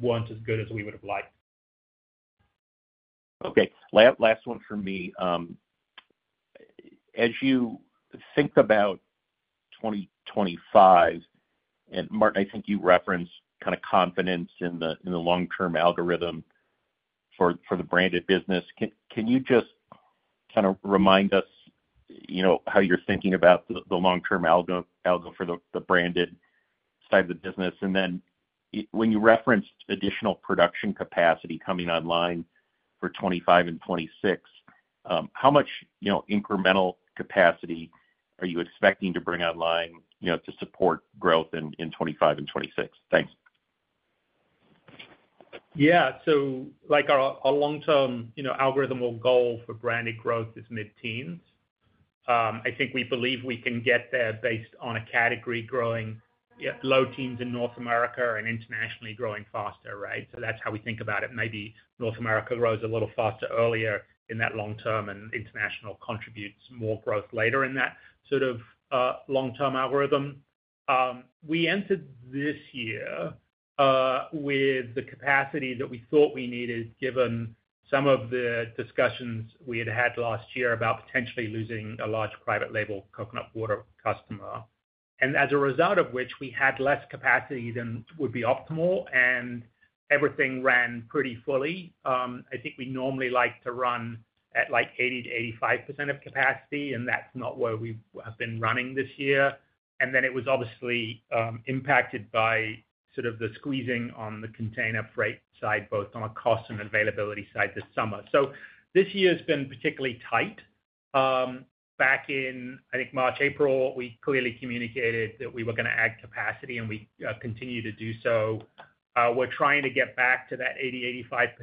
weren't as good as we would have liked. Okay. Last one from me. As you think about 2025, and Martin, I think you referenced kind of confidence in the long-term algorithm for the branded business. Can you just kind of remind us how you're thinking about the long-term algorithm for the branded side of the business? And then when you referenced additional production capacity coming online for 2025 and 2026, how much incremental capacity are you expecting to bring online to support growth in 2025 and 2026? Thanks. Yeah. So our long-term algorithm or goal for branded growth is mid-teens. I think we believe we can get there based on a category growing low-teens in North America and internationally growing faster, right? So that's how we think about it. Maybe North America grows a little faster earlier in that long-term and international contributes more growth later in that sort of long-term algorithm. We entered this year with the capacity that we thought we needed given some of the discussions we had had last year about potentially losing a large private label coconut water customer, and as a result of which, we had less capacity than would be optimal. And everything ran pretty fully. I think we normally like to run at like 80%-85% of capacity, and that's not where we have been running this year. It was obviously impacted by sort of the squeezing on the container freight side, both on a cost and availability side this summer. This year has been particularly tight. Back in, I think, March, April, we clearly communicated that we were going to add capacity, and we continue to do so. We're trying to get back to that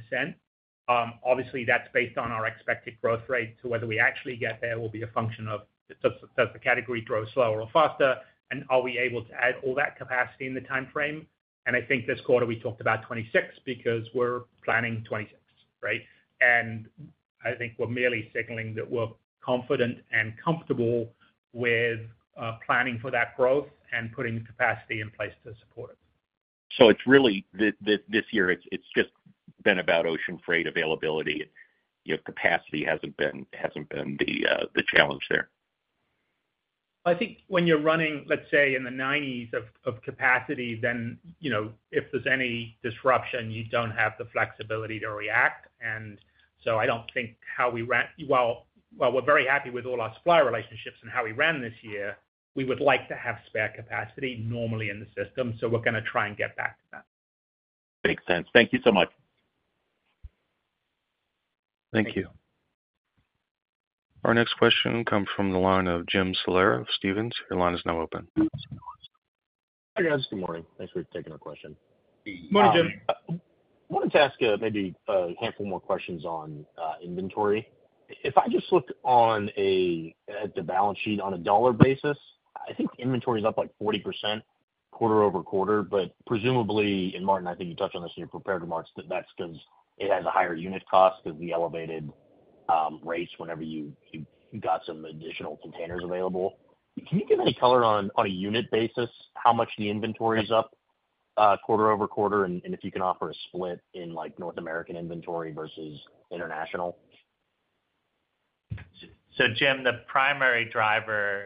80%-85%. Obviously, that's based on our expected growth rate. Whether we actually get there will be a function of does the category grow slower or faster, and are we able to add all that capacity in the timeframe? This quarter, we talked about 2026 because we're planning 2026, right? We're merely signaling that we're confident and comfortable with planning for that growth and putting the capacity in place to support it. It's really this year, it's just been about ocean freight availability. Capacity hasn't been the challenge there. I think when you're running, let's say, in the 90s of capacity, then if there's any disruption, you don't have the flexibility to react, and so I don't think how we ran well. We're very happy with all our supplier relationships and how we ran this year. We would like to have spare capacity normally in the system, so we're going to try and get back to that. Makes sense. Thank you so much. Thank you. Our next question comes from the line of Jim Salera of Stephens. Your line is now open. Hi, guys. Good morning. Thanks for taking our question. Morning, Jim. I wanted to ask maybe a handful more questions on inventory. If I just look at the balance sheet on a dollar basis, I think inventory is up like 40% quarter over quarter. But presumably, and Martin, I think you touched on this in your prepared remarks, that that's because it has a higher unit cost because of the elevated rates whenever you got some additional containers available. Can you give any color on a unit basis how much the inventory is up quarter over quarter and if you can offer a split in North American inventory versus international? Jim, the primary driver,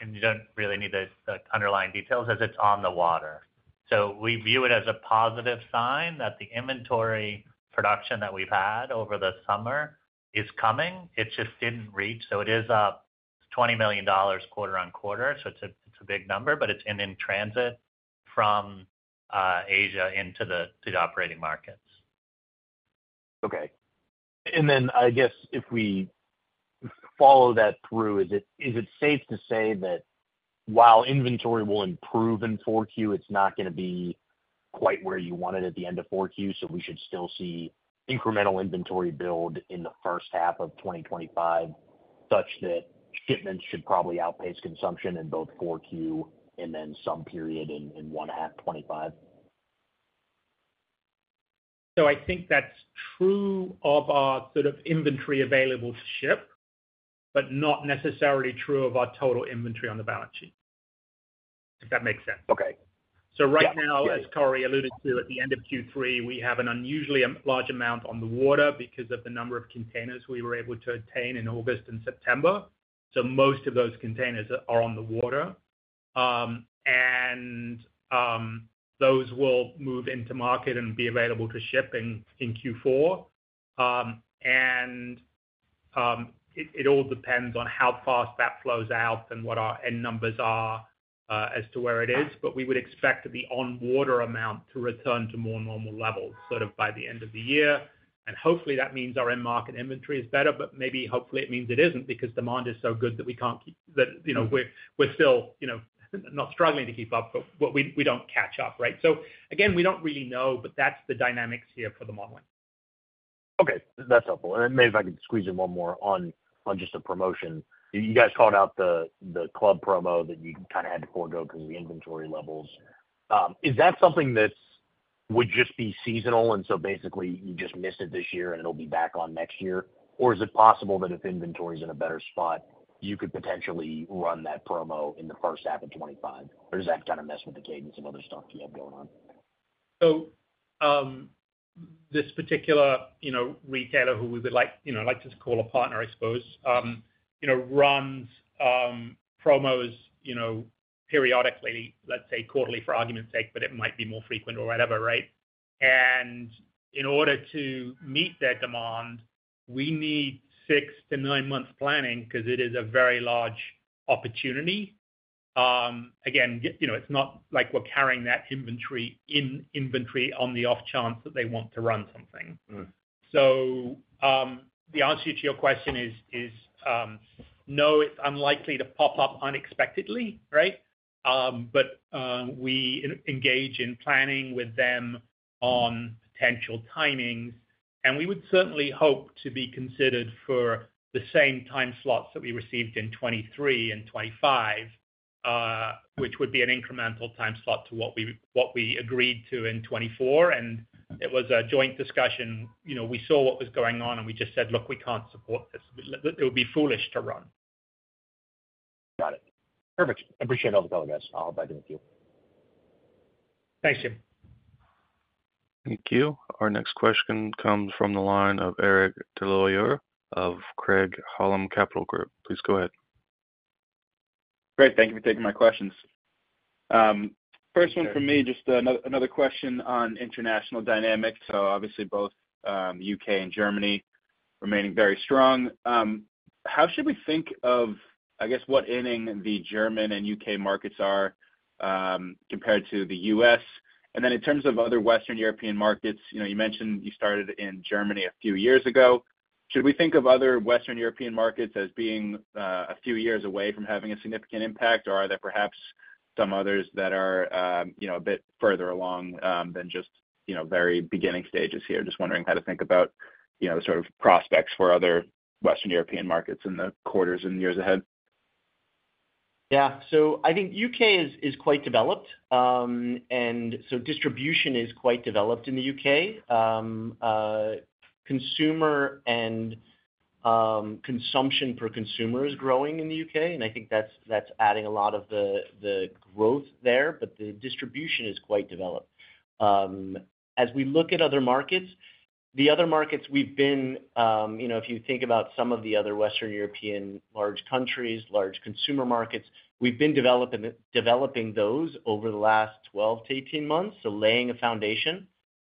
and you don't really need the underlying details, is it's on the water. We view it as a positive sign that the inventory production that we've had over the summer is coming. It just didn't reach. It is up $20 million quarter on quarter. It's a big number, but it's in transit from Asia into the operating markets. Okay. And then, I guess, if we follow that through, is it safe to say that while inventory will improve in 4Q, it's not going to be quite where you want it at the end of 4Q? So we should still see incremental inventory build in the first half of 2025 such that shipments should probably outpace consumption in both 4Q and then some period in 1/25? So I think that's true of our sort of inventory available to ship, but not necessarily true of our total inventory on the balance sheet, if that makes sense. Okay. Right now, as Corey alluded to, at the end of Q3, we have an unusually large amount on the water because of the number of containers we were able to obtain in August and September. Most of those containers are on the water. Those will move into market and be available to ship in Q4. It all depends on how fast that flows out and what our end numbers are as to where it is. We would expect the on-water amount to return to more normal levels sort of by the end of the year. Hopefully, that means our end market inventory is better, but maybe hopefully it means it isn't because demand is so good that we can't keep that we're still not struggling to keep up, but we don't catch up, right? So again, we don't really know, but that's the dynamics here for the modeling. Okay. That's helpful. And maybe if I could squeeze in one more on just a promotion. You guys called out the club promo that you kind of had to forego because of the inventory levels. Is that something that would just be seasonal and so basically you just missed it this year and it'll be back on next year? Or is it possible that if inventory is in a better spot, you could potentially run that promo in the first half of 2025? Or does that kind of mess with the cadence and other stuff you have going on? So this particular retailer who we would like to call a partner, I suppose, runs promos periodically, let's say quarterly for argument's sake, but it might be more frequent or whatever, right? And in order to meet their demand, we need six to nine months planning because it is a very large opportunity. Again, it's not like we're carrying that inventory on the off chance that they want to run something. So the answer to your question is no, it's unlikely to pop up unexpectedly, right? But we engage in planning with them on potential timings. And we would certainly hope to be considered for the same time slots that we received in 2023 and 2025, which would be an incremental time slot to what we agreed to in 2024. And it was a joint discussion. We saw what was going on, and we just said, "Look, we can't support this. It would be foolish to run. Got it. Perfect. Appreciate all the help, guys. I'll hop back in with you. Thanks, Jim. Thank you. Our next question comes from the line of Eric Des Lauriers of Craig-Hallum Capital Group. Please go ahead. Great. Thank you for taking my questions. First one for me, just another question on international dynamics. So obviously, both U.K. and Germany remaining very strong. How should we think of, I guess, what inning the German and U.K. markets are compared to the U.S.? And then in terms of other Western European markets, you mentioned you started in Germany a few years ago. Should we think of other Western European markets as being a few years away from having a significant impact, or are there perhaps some others that are a bit further along than just very beginning stages here? Just wondering how to think about the sort of prospects for other Western European markets in the quarters and years ahead. Yeah, so I think U.K. is quite developed, and so distribution is quite developed in the U.K. Consumer and consumption per consumer is growing in the U.K. And I think that's adding a lot of the growth there, but the distribution is quite developed. As we look at other markets, the other markets we've been, if you think about some of the other Western European large countries, large consumer markets, we've been developing those over the last 12-18 months, so laying a foundation.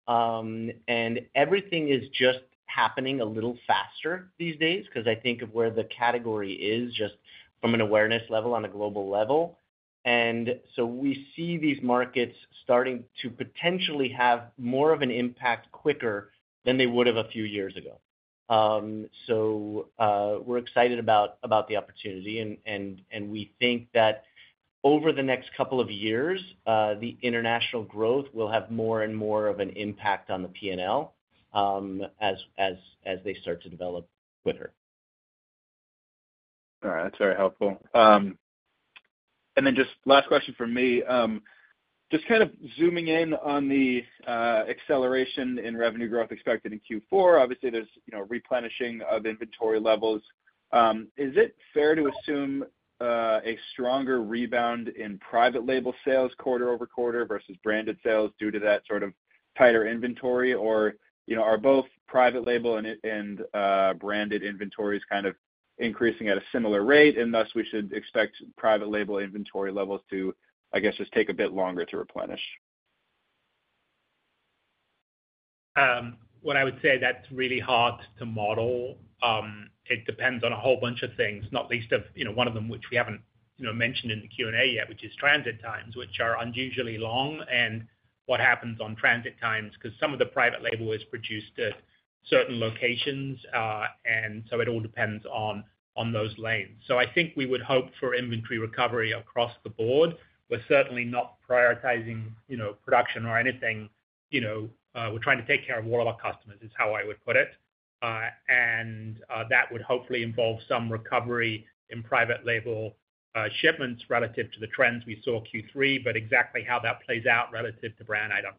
And everything is just happening a little faster these days because I think of where the category is just from an awareness level on a global level. And so we see these markets starting to potentially have more of an impact quicker than they would have a few years ago. So we're excited about the opportunity. We think that over the next couple of years, the international growth will have more and more of an impact on the P&L as they start to develop quicker. All right. That's very helpful. And then just last question for me. Just kind of zooming in on the acceleration in revenue growth expected in Q4. Obviously, there's replenishing of inventory levels. Is it fair to assume a stronger rebound in private label sales quarter over quarter versus branded sales due to that sort of tighter inventory? Or are both private label and branded inventories kind of increasing at a similar rate, and thus we should expect private label inventory levels to, I guess, just take a bit longer to replenish? What I would say, that's really hard to model. It depends on a whole bunch of things, not least of one of them, which we haven't mentioned in the Q&A yet, which is transit times, which are unusually long. And what happens on transit times because some of the private label is produced at certain locations. And so it all depends on those lanes. So I think we would hope for inventory recovery across the board. We're certainly not prioritizing production or anything. We're trying to take care of all of our customers, is how I would put it. And that would hopefully involve some recovery in private label shipments relative to the trends we saw Q3, but exactly how that plays out relative to brand item.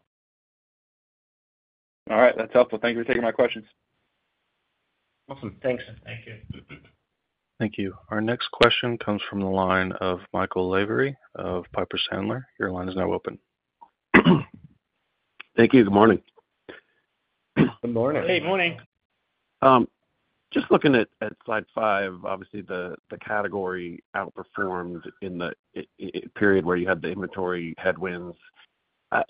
All right. That's helpful. Thank you for taking my questions. Awesome. Thanks. Thank you. Thank you. Our next question comes from the line of Michael Lavery of Piper Sandler. Your line is now open. Thank you. Good morning. Good morning. Hey, morning. Just looking at slide five, obviously, the category outperformed in the period where you had the inventory headwinds. I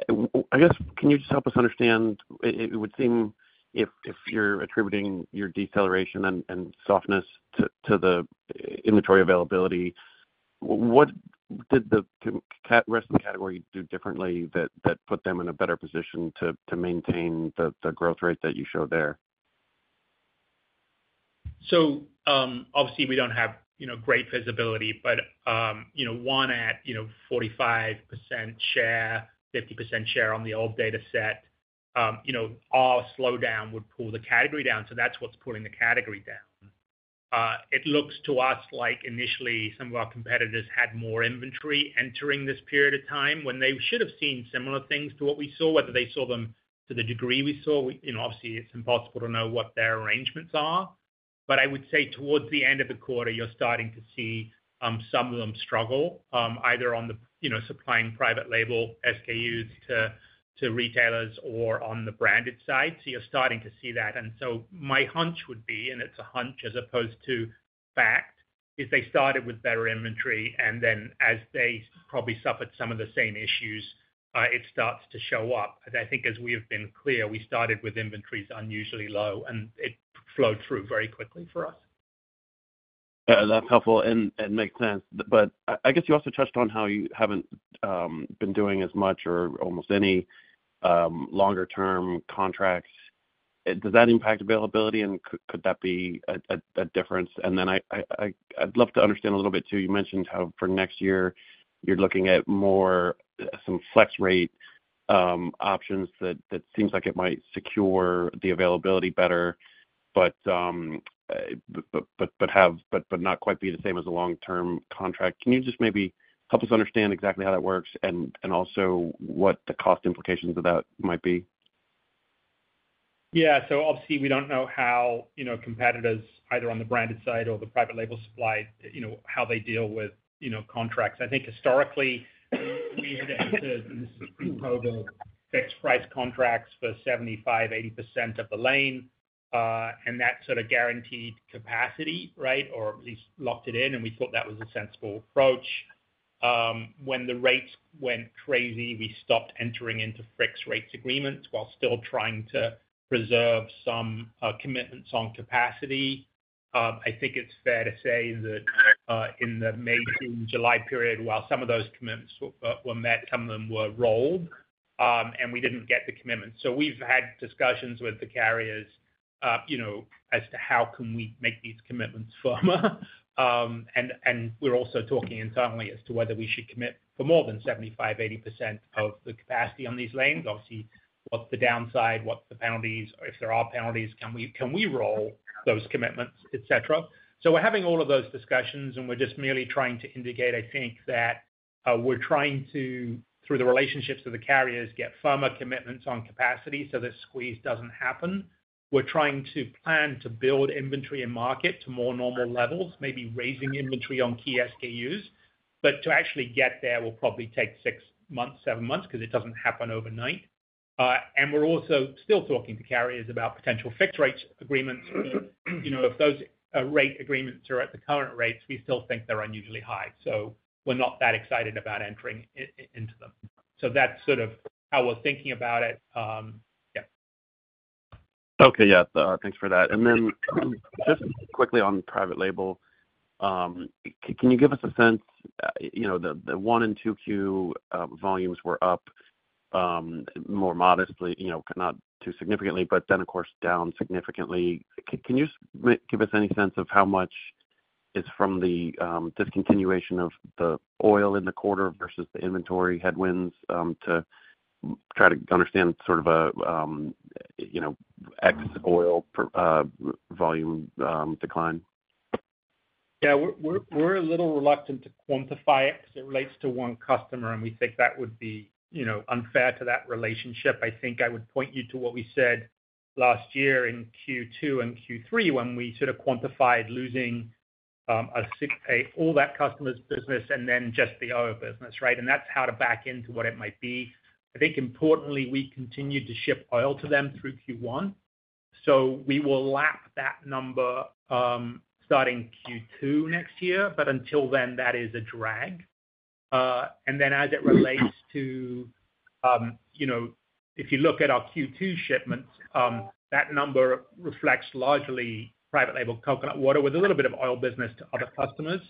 guess, can you just help us understand? It would seem if you're attributing your deceleration and softness to the inventory availability, what did the rest of the category do differently that put them in a better position to maintain the growth rate that you showed there? Obviously, we don't have great visibility, but one at 45% share, 50% share on the old data set, our slowdown would pull the category down. That's what's pulling the category down. It looks to us like initially some of our competitors had more inventory entering this period of time when they should have seen similar things to what we saw, whether they saw them to the degree we saw. Obviously, it's impossible to know what their arrangements are. I would say towards the end of the quarter, you're starting to see some of them struggle either on the supplying private label SKUs to retailers or on the branded side. You're starting to see that. And so my hunch would be, and it's a hunch as opposed to fact, is they started with better inventory, and then as they probably suffered some of the same issues, it starts to show up. I think as we have been clear, we started with inventories unusually low, and it flowed through very quickly for us. That's helpful and makes sense. But I guess you also touched on how you haven't been doing as much or almost any longer-term contracts. Does that impact availability, and could that be a difference? And then I'd love to understand a little bit too. You mentioned how for next year, you're looking at more some flex rate options that seems like it might secure the availability better, but not quite be the same as a long-term contract. Can you just maybe help us understand exactly how that works and also what the cost implications of that might be? Yeah, so obviously, we don't know how competitors either on the branded side or the private label supply, how they deal with contracts. I think historically, we had to enter COVID fixed price contracts for 75%-80% of the lane, and that sort of guaranteed capacity, right, or at least locked it in, and we thought that was a sensible approach. When the rates went crazy, we stopped entering into fixed rates agreements while still trying to preserve some commitments on capacity. I think it's fair to say that in the May to July period, while some of those commitments were met, some of them were rolled, and we didn't get the commitments, so we've had discussions with the carriers as to how can we make these commitments firmer. We're also talking internally as to whether we should commit for more than 75%-80% of the capacity on these lanes. Obviously, what's the downside? What's the penalties? If there are penalties, can we roll those commitments, etc.? So we're having all of those discussions, and we're just merely trying to indicate, I think, that we're trying to, through the relationships of the carriers, get firmer commitments on capacity so this squeeze doesn't happen. We're trying to plan to build inventory and market to more normal levels, maybe raising inventory on key SKUs. But to actually get there, we'll probably take six months, seven months because it doesn't happen overnight. And we're also still talking to carriers about potential fixed rates agreements. If those rate agreements are at the current rates, we still think they're unusually high. So we're not that excited about entering into them. So that's sort of how we're thinking about it. Yeah. Okay. Yeah. Thanks for that. And then just quickly on private label, can you give us a sense? The one and two Q volumes were up more modestly, not too significantly, but then, of course, down significantly. Can you give us any sense of how much is from the discontinuation of the oil in the quarter versus the inventory headwinds to try to understand sort of an ex-oil volume decline? Yeah. We're a little reluctant to quantify it because it relates to one customer, and we think that would be unfair to that relationship. I think I would point you to what we said last year in Q2 and Q3 when we sort of quantified losing all that customer's business and then just the oil business, right? And that's how to back into what it might be. I think importantly, we continue to ship oil to them through Q1. So we will lap that number starting Q2 next year, but until then, that is a drag. And then as it relates to if you look at our Q2 shipments, that number reflects largely private label coconut water with a little bit of oil business to other customers.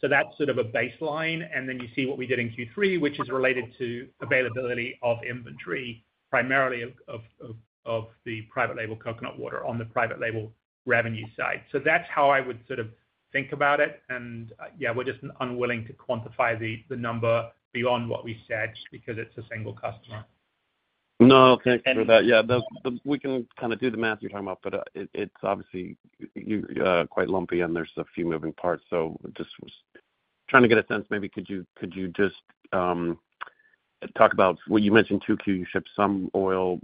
So that's sort of a baseline. And then you see what we did in Q3, which is related to availability of inventory, primarily of the private label coconut water on the private label revenue side. So that's how I would sort of think about it. And yeah, we're just unwilling to quantify the number beyond what we said because it's a single customer. No. Thanks for that. Yeah. We can kind of do the math you're talking about, but it's obviously quite lumpy, and there's a few moving parts. So just trying to get a sense. Maybe could you just talk about what you mentioned, 2Q ship some oil?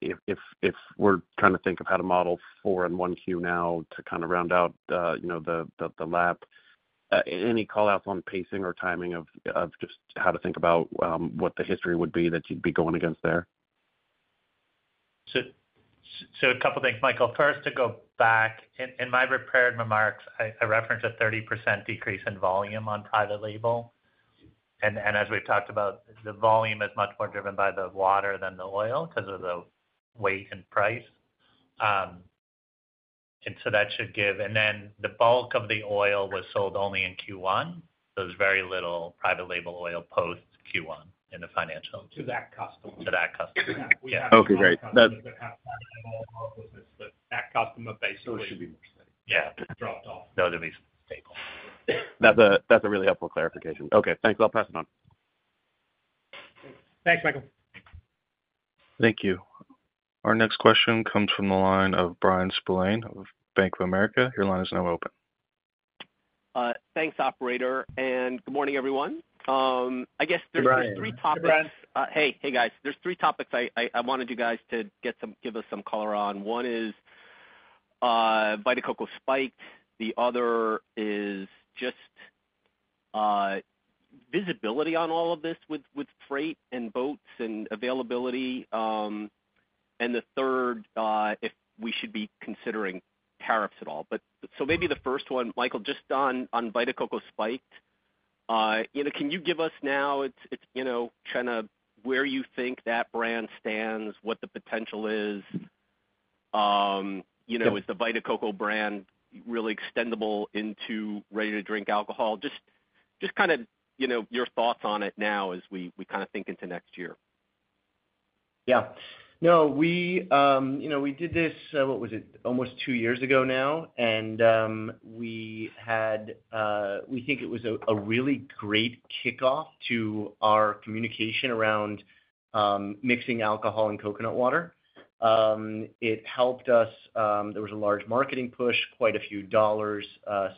If we're trying to think of how to model 4Q and 1Q now to kind of round out the lap, any callouts on pacing or timing of just how to think about what the history would be that you'd be going against there? So a couple of things, Michael. First, to go back, in my prepared remarks, I referenced a 30% decrease in volume on private label. And as we've talked about, the volume is much more driven by the water than the oil because of the weight and price. And so that should give, and then the bulk of the oil was sold only in Q1. There was very little private label oil post Q1 in the financial. To that customer. To that customer. Yeah. We have to have private label business, but that customer basically. Those should be more steady. Yeah. Dropped off. Those would be stable. That's a really helpful clarification. Okay. Thanks. I'll pass it on. Thanks, Michael. Thank you. Our next question comes from the line of Bryan Spillane of Bank of America. Your line is now open. Thanks, operator. Good morning, everyone. I guess there's three topics. Hey, guys. Hey, guys. There are three topics I wanted you guys to give us some color on. One is Vita Coco Spiked. The other is just visibility on all of this with freight and boats and availability. And the third, if we should be considering tariffs at all. So maybe the first one, Michael, just on Vita Coco Spiked. Can you give us now, it's kind of where you think that brand stands, what the potential is? Is the Vita Coco brand really extendable into ready-to-drink alcohol? Just kind of your thoughts on it now as we kind of think into next year. Yeah. No, we did this, what was it, almost two years ago now. And we think it was a really great kickoff to our communication around mixing alcohol and coconut water. It helped us. There was a large marketing push, quite a few dollars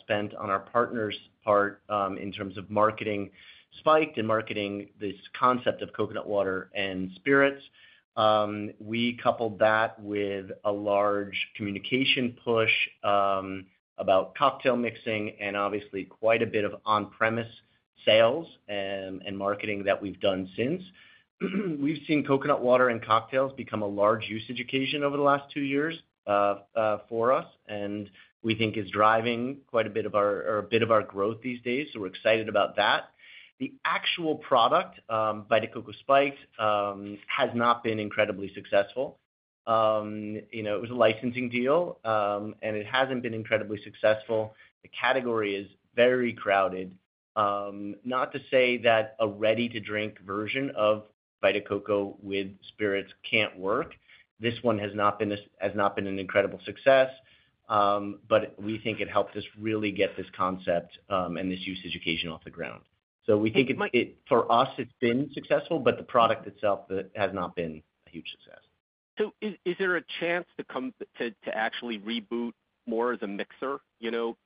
spent on our partner's part in terms of marketing Spiked and marketing this concept of coconut water and spirits. We coupled that with a large communication push about cocktail mixing and obviously quite a bit of on-premise sales and marketing that we've done since. We've seen coconut water and cocktails become a large usage occasion over the last two years for us, and we think is driving quite a bit of our or a bit of our growth these days. So we're excited about that. The actual product, Vita Coco Spiked, has not been incredibly successful. It was a licensing deal, and it hasn't been incredibly successful. The category is very crowded. Not to say that a ready-to-drink version of Vita Coco with spirits can't work. This one has not been an incredible success, but we think it helped us really get this concept and this usage occasion off the ground. So we think for us, it's been successful, but the product itself has not been a huge success. Is there a chance to actually reboot more as a mixer,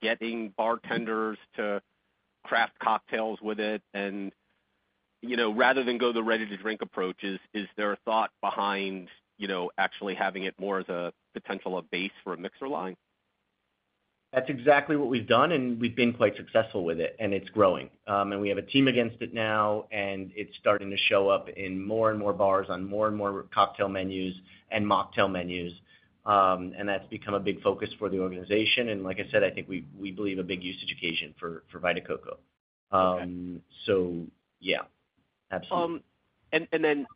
getting bartenders to craft cocktails with it? And rather than go the ready-to-drink approach, is there a thought behind actually having it more as a potential base for a mixer line? That's exactly what we've done, and we've been quite successful with it, and it's growing. And we have a team against it now, and it's starting to show up in more and more bars, on more and more cocktail menus and mocktail menus. And that's become a big focus for the organization. And like I said, I think we believe a big usage occasion for Vita Coco. So yeah, absolutely.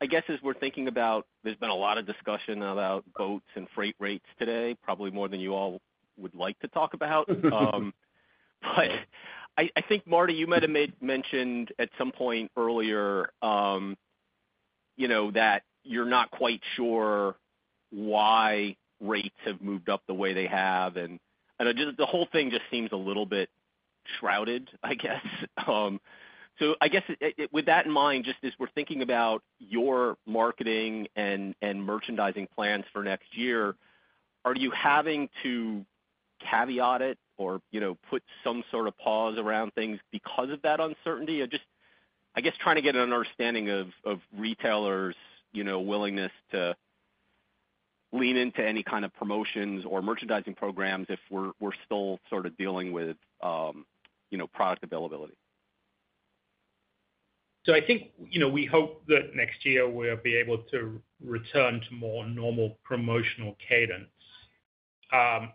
I guess as we're thinking about, there's been a lot of discussion about boats and freight rates today, probably more than you all would like to talk about. I think, Marty, you might have mentioned at some point earlier that you're not quite sure why rates have moved up the way they have. The whole thing just seems a little bit shrouded, I guess. I guess with that in mind, just as we're thinking about your marketing and merchandising plans for next year, are you having to caveat it or put some sort of pause around things because of that uncertainty? Just, I guess, trying to get an understanding of retailers' willingness to lean into any kind of promotions or merchandising programs if we're still sort of dealing with product availability. So I think we hope that next year we'll be able to return to more normal promotional cadence. Our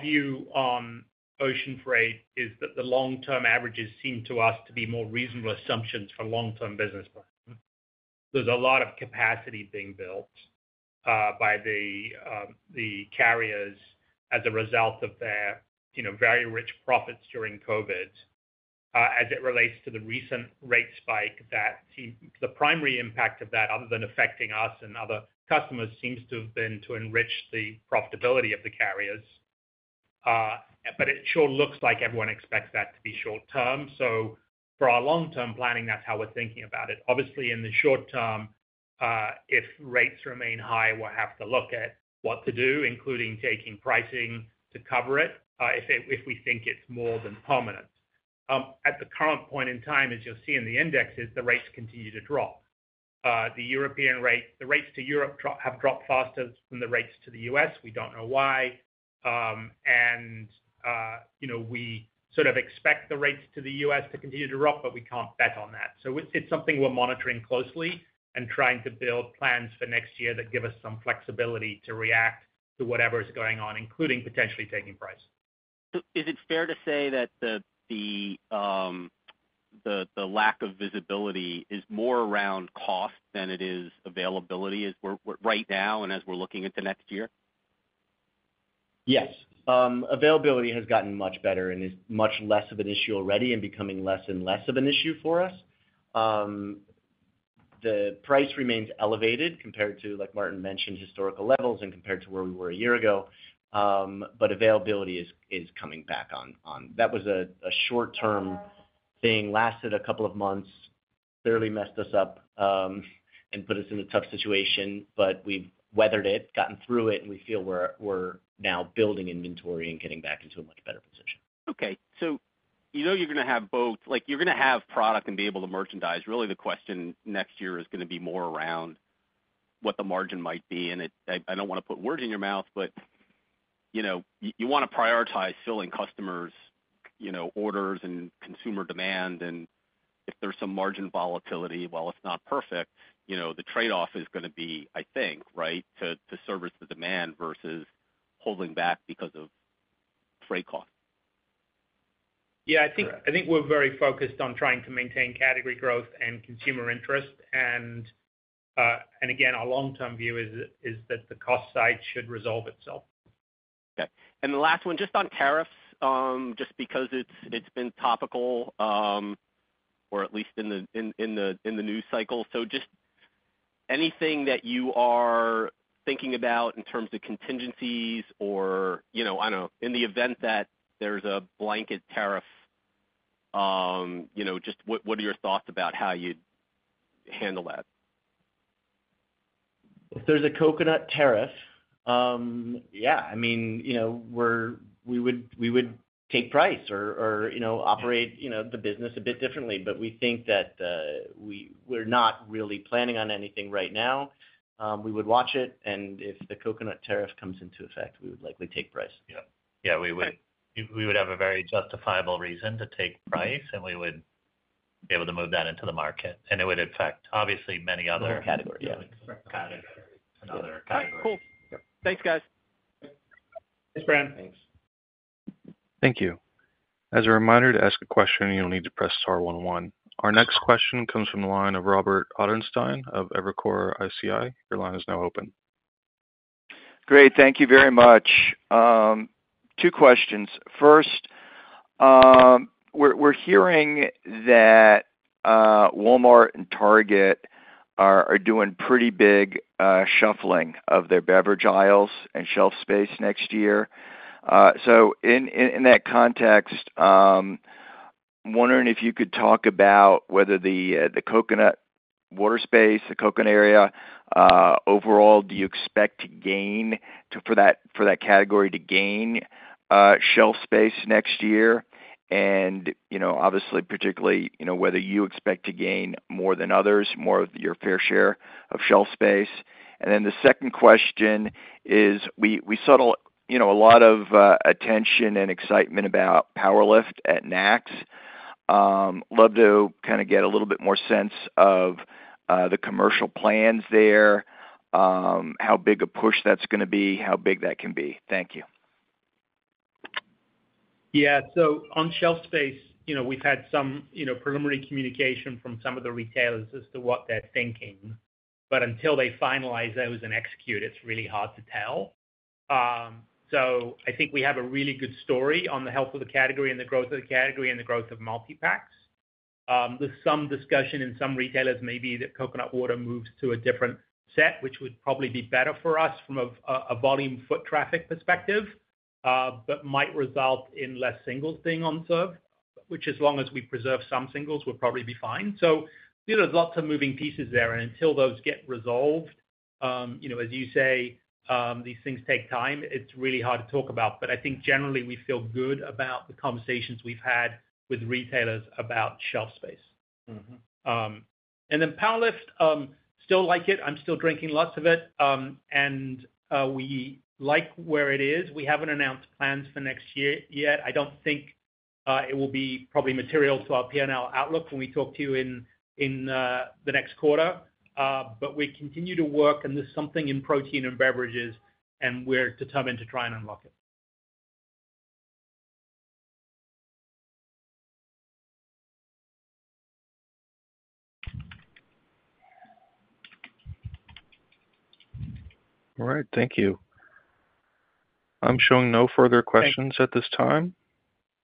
view on ocean freight is that the long-term averages seem to us to be more reasonable assumptions for long-term business plan. There's a lot of capacity being built by the carriers as a result of their very rich profits during COVID as it relates to the recent rate spike that the primary impact of that, other than affecting us and other customers, seems to have been to enrich the profitability of the carriers. But it sure looks like everyone expects that to be short-term. So for our long-term planning, that's how we're thinking about it. Obviously, in the short term, if rates remain high, we'll have to look at what to do, including taking pricing to cover it if we think it's more than permanent. At the current point in time, as you'll see in the indexes, the rates continue to drop. The rates to Europe have dropped faster than the rates to the U.S. We don't know why, and we sort of expect the rates to the U.S. to continue to drop, but we can't bet on that, so it's something we're monitoring closely and trying to build plans for next year that give us some flexibility to react to whatever is going on, including potentially taking price, so is it fair to say that the lack of visibility is more around cost than it is availability right now and as we're looking into next year? Yes. Availability has gotten much better and is much less of an issue already and becoming less and less of an issue for us. The price remains elevated compared to, like Martin mentioned, historical levels and compared to where we were a year ago. But availability is coming back on. That was a short-term thing, lasted a couple of months, clearly messed us up and put us in a tough situation, but we've weathered it, gotten through it, and we feel we're now building inventory and getting back into a much better position. Okay. So you know you're going to have both. You're going to have product and be able to merchandise. Really, the question next year is going to be more around what the margin might be. And I don't want to put words in your mouth, but you want to prioritize filling customers' orders and consumer demand. And if there's some margin volatility, while it's not perfect, the trade-off is going to be, I think, right, to service the demand versus holding back because of freight costs. Yeah. I think we're very focused on trying to maintain category growth and consumer interest. And again, our long-term view is that the cost side should resolve itself. Okay. And the last one, just on tariffs, just because it's been topical, or at least in the news cycle. So just anything that you are thinking about in terms of contingencies or, I don't know, in the event that there's a blanket tariff, just what are your thoughts about how you'd handle that? If there's a coconut tariff, yeah. I mean, we would take price or operate the business a bit differently, but we think that we're not really planning on anything right now. We would watch it, and if the coconut tariff comes into effect, we would likely take price. We would have a very justifiable reason to take price, and we would be able to move that into the market. And it would affect, obviously, many other. Other categories. Yeah. Categories. Another category. All right. Cool. Thanks, guys. Thanks, Brian. Thanks. Thank you. As a reminder to ask a question, you'll need to press star 101. Our next question comes from the line of Robert Ottenstein of Evercore ISI. Your line is now open. Great. Thank you very much. Two questions. First, we're hearing that Walmart and Target are doing pretty big shuffling of their beverage aisles and shelf space next year. So in that context, wondering if you could talk about whether the coconut water space, the coconut area, overall, do you expect to gain for that category to gain shelf space next year? And obviously, particularly whether you expect to gain more than others, more of your fair share of shelf space. And then the second question is we saw a lot of attention and excitement about PWR LIFT at NACS. Love to kind of get a little bit more sense of the commercial plans there, how big a push that's going to be, how big that can be. Thank you. Yeah. So on shelf space, we've had some preliminary communication from some of the retailers as to what they're thinking. But until they finalize those and execute, it's really hard to tell. So I think we have a really good story on the health of the category and the growth of the category and the growth of multi-packs. There's some discussion in some retailers maybe that coconut water moves to a different set, which would probably be better for us from a volume foot traffic perspective, but might result in less singles being on shelf, which as long as we preserve some singles, we'll probably be fine. So there's lots of moving pieces there. And until those get resolved, as you say, these things take time. It's really hard to talk about. But I think generally we feel good about the conversations we've had with retailers about shelf space. And then PWR LIFT, still like it. I'm still drinking lots of it. And we like where it is. We haven't announced plans for next year yet. I don't think it will be probably material to our P&L outlook when we talk to you in the next quarter. But we continue to work, and there's something in protein and beverages, and we're determined to try and unlock it. All right. Thank you. I'm showing no further questions at this time.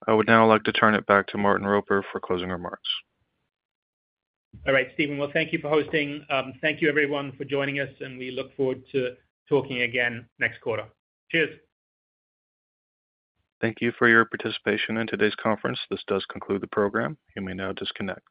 I would now like to turn it back to Martin Roper for closing remarks. All right, Steven. Well, thank you for hosting. Thank you, everyone, for joining us, and we look forward to talking again next quarter. Cheers. Thank you for your participation in today's conference. This does conclude the program. You may now disconnect.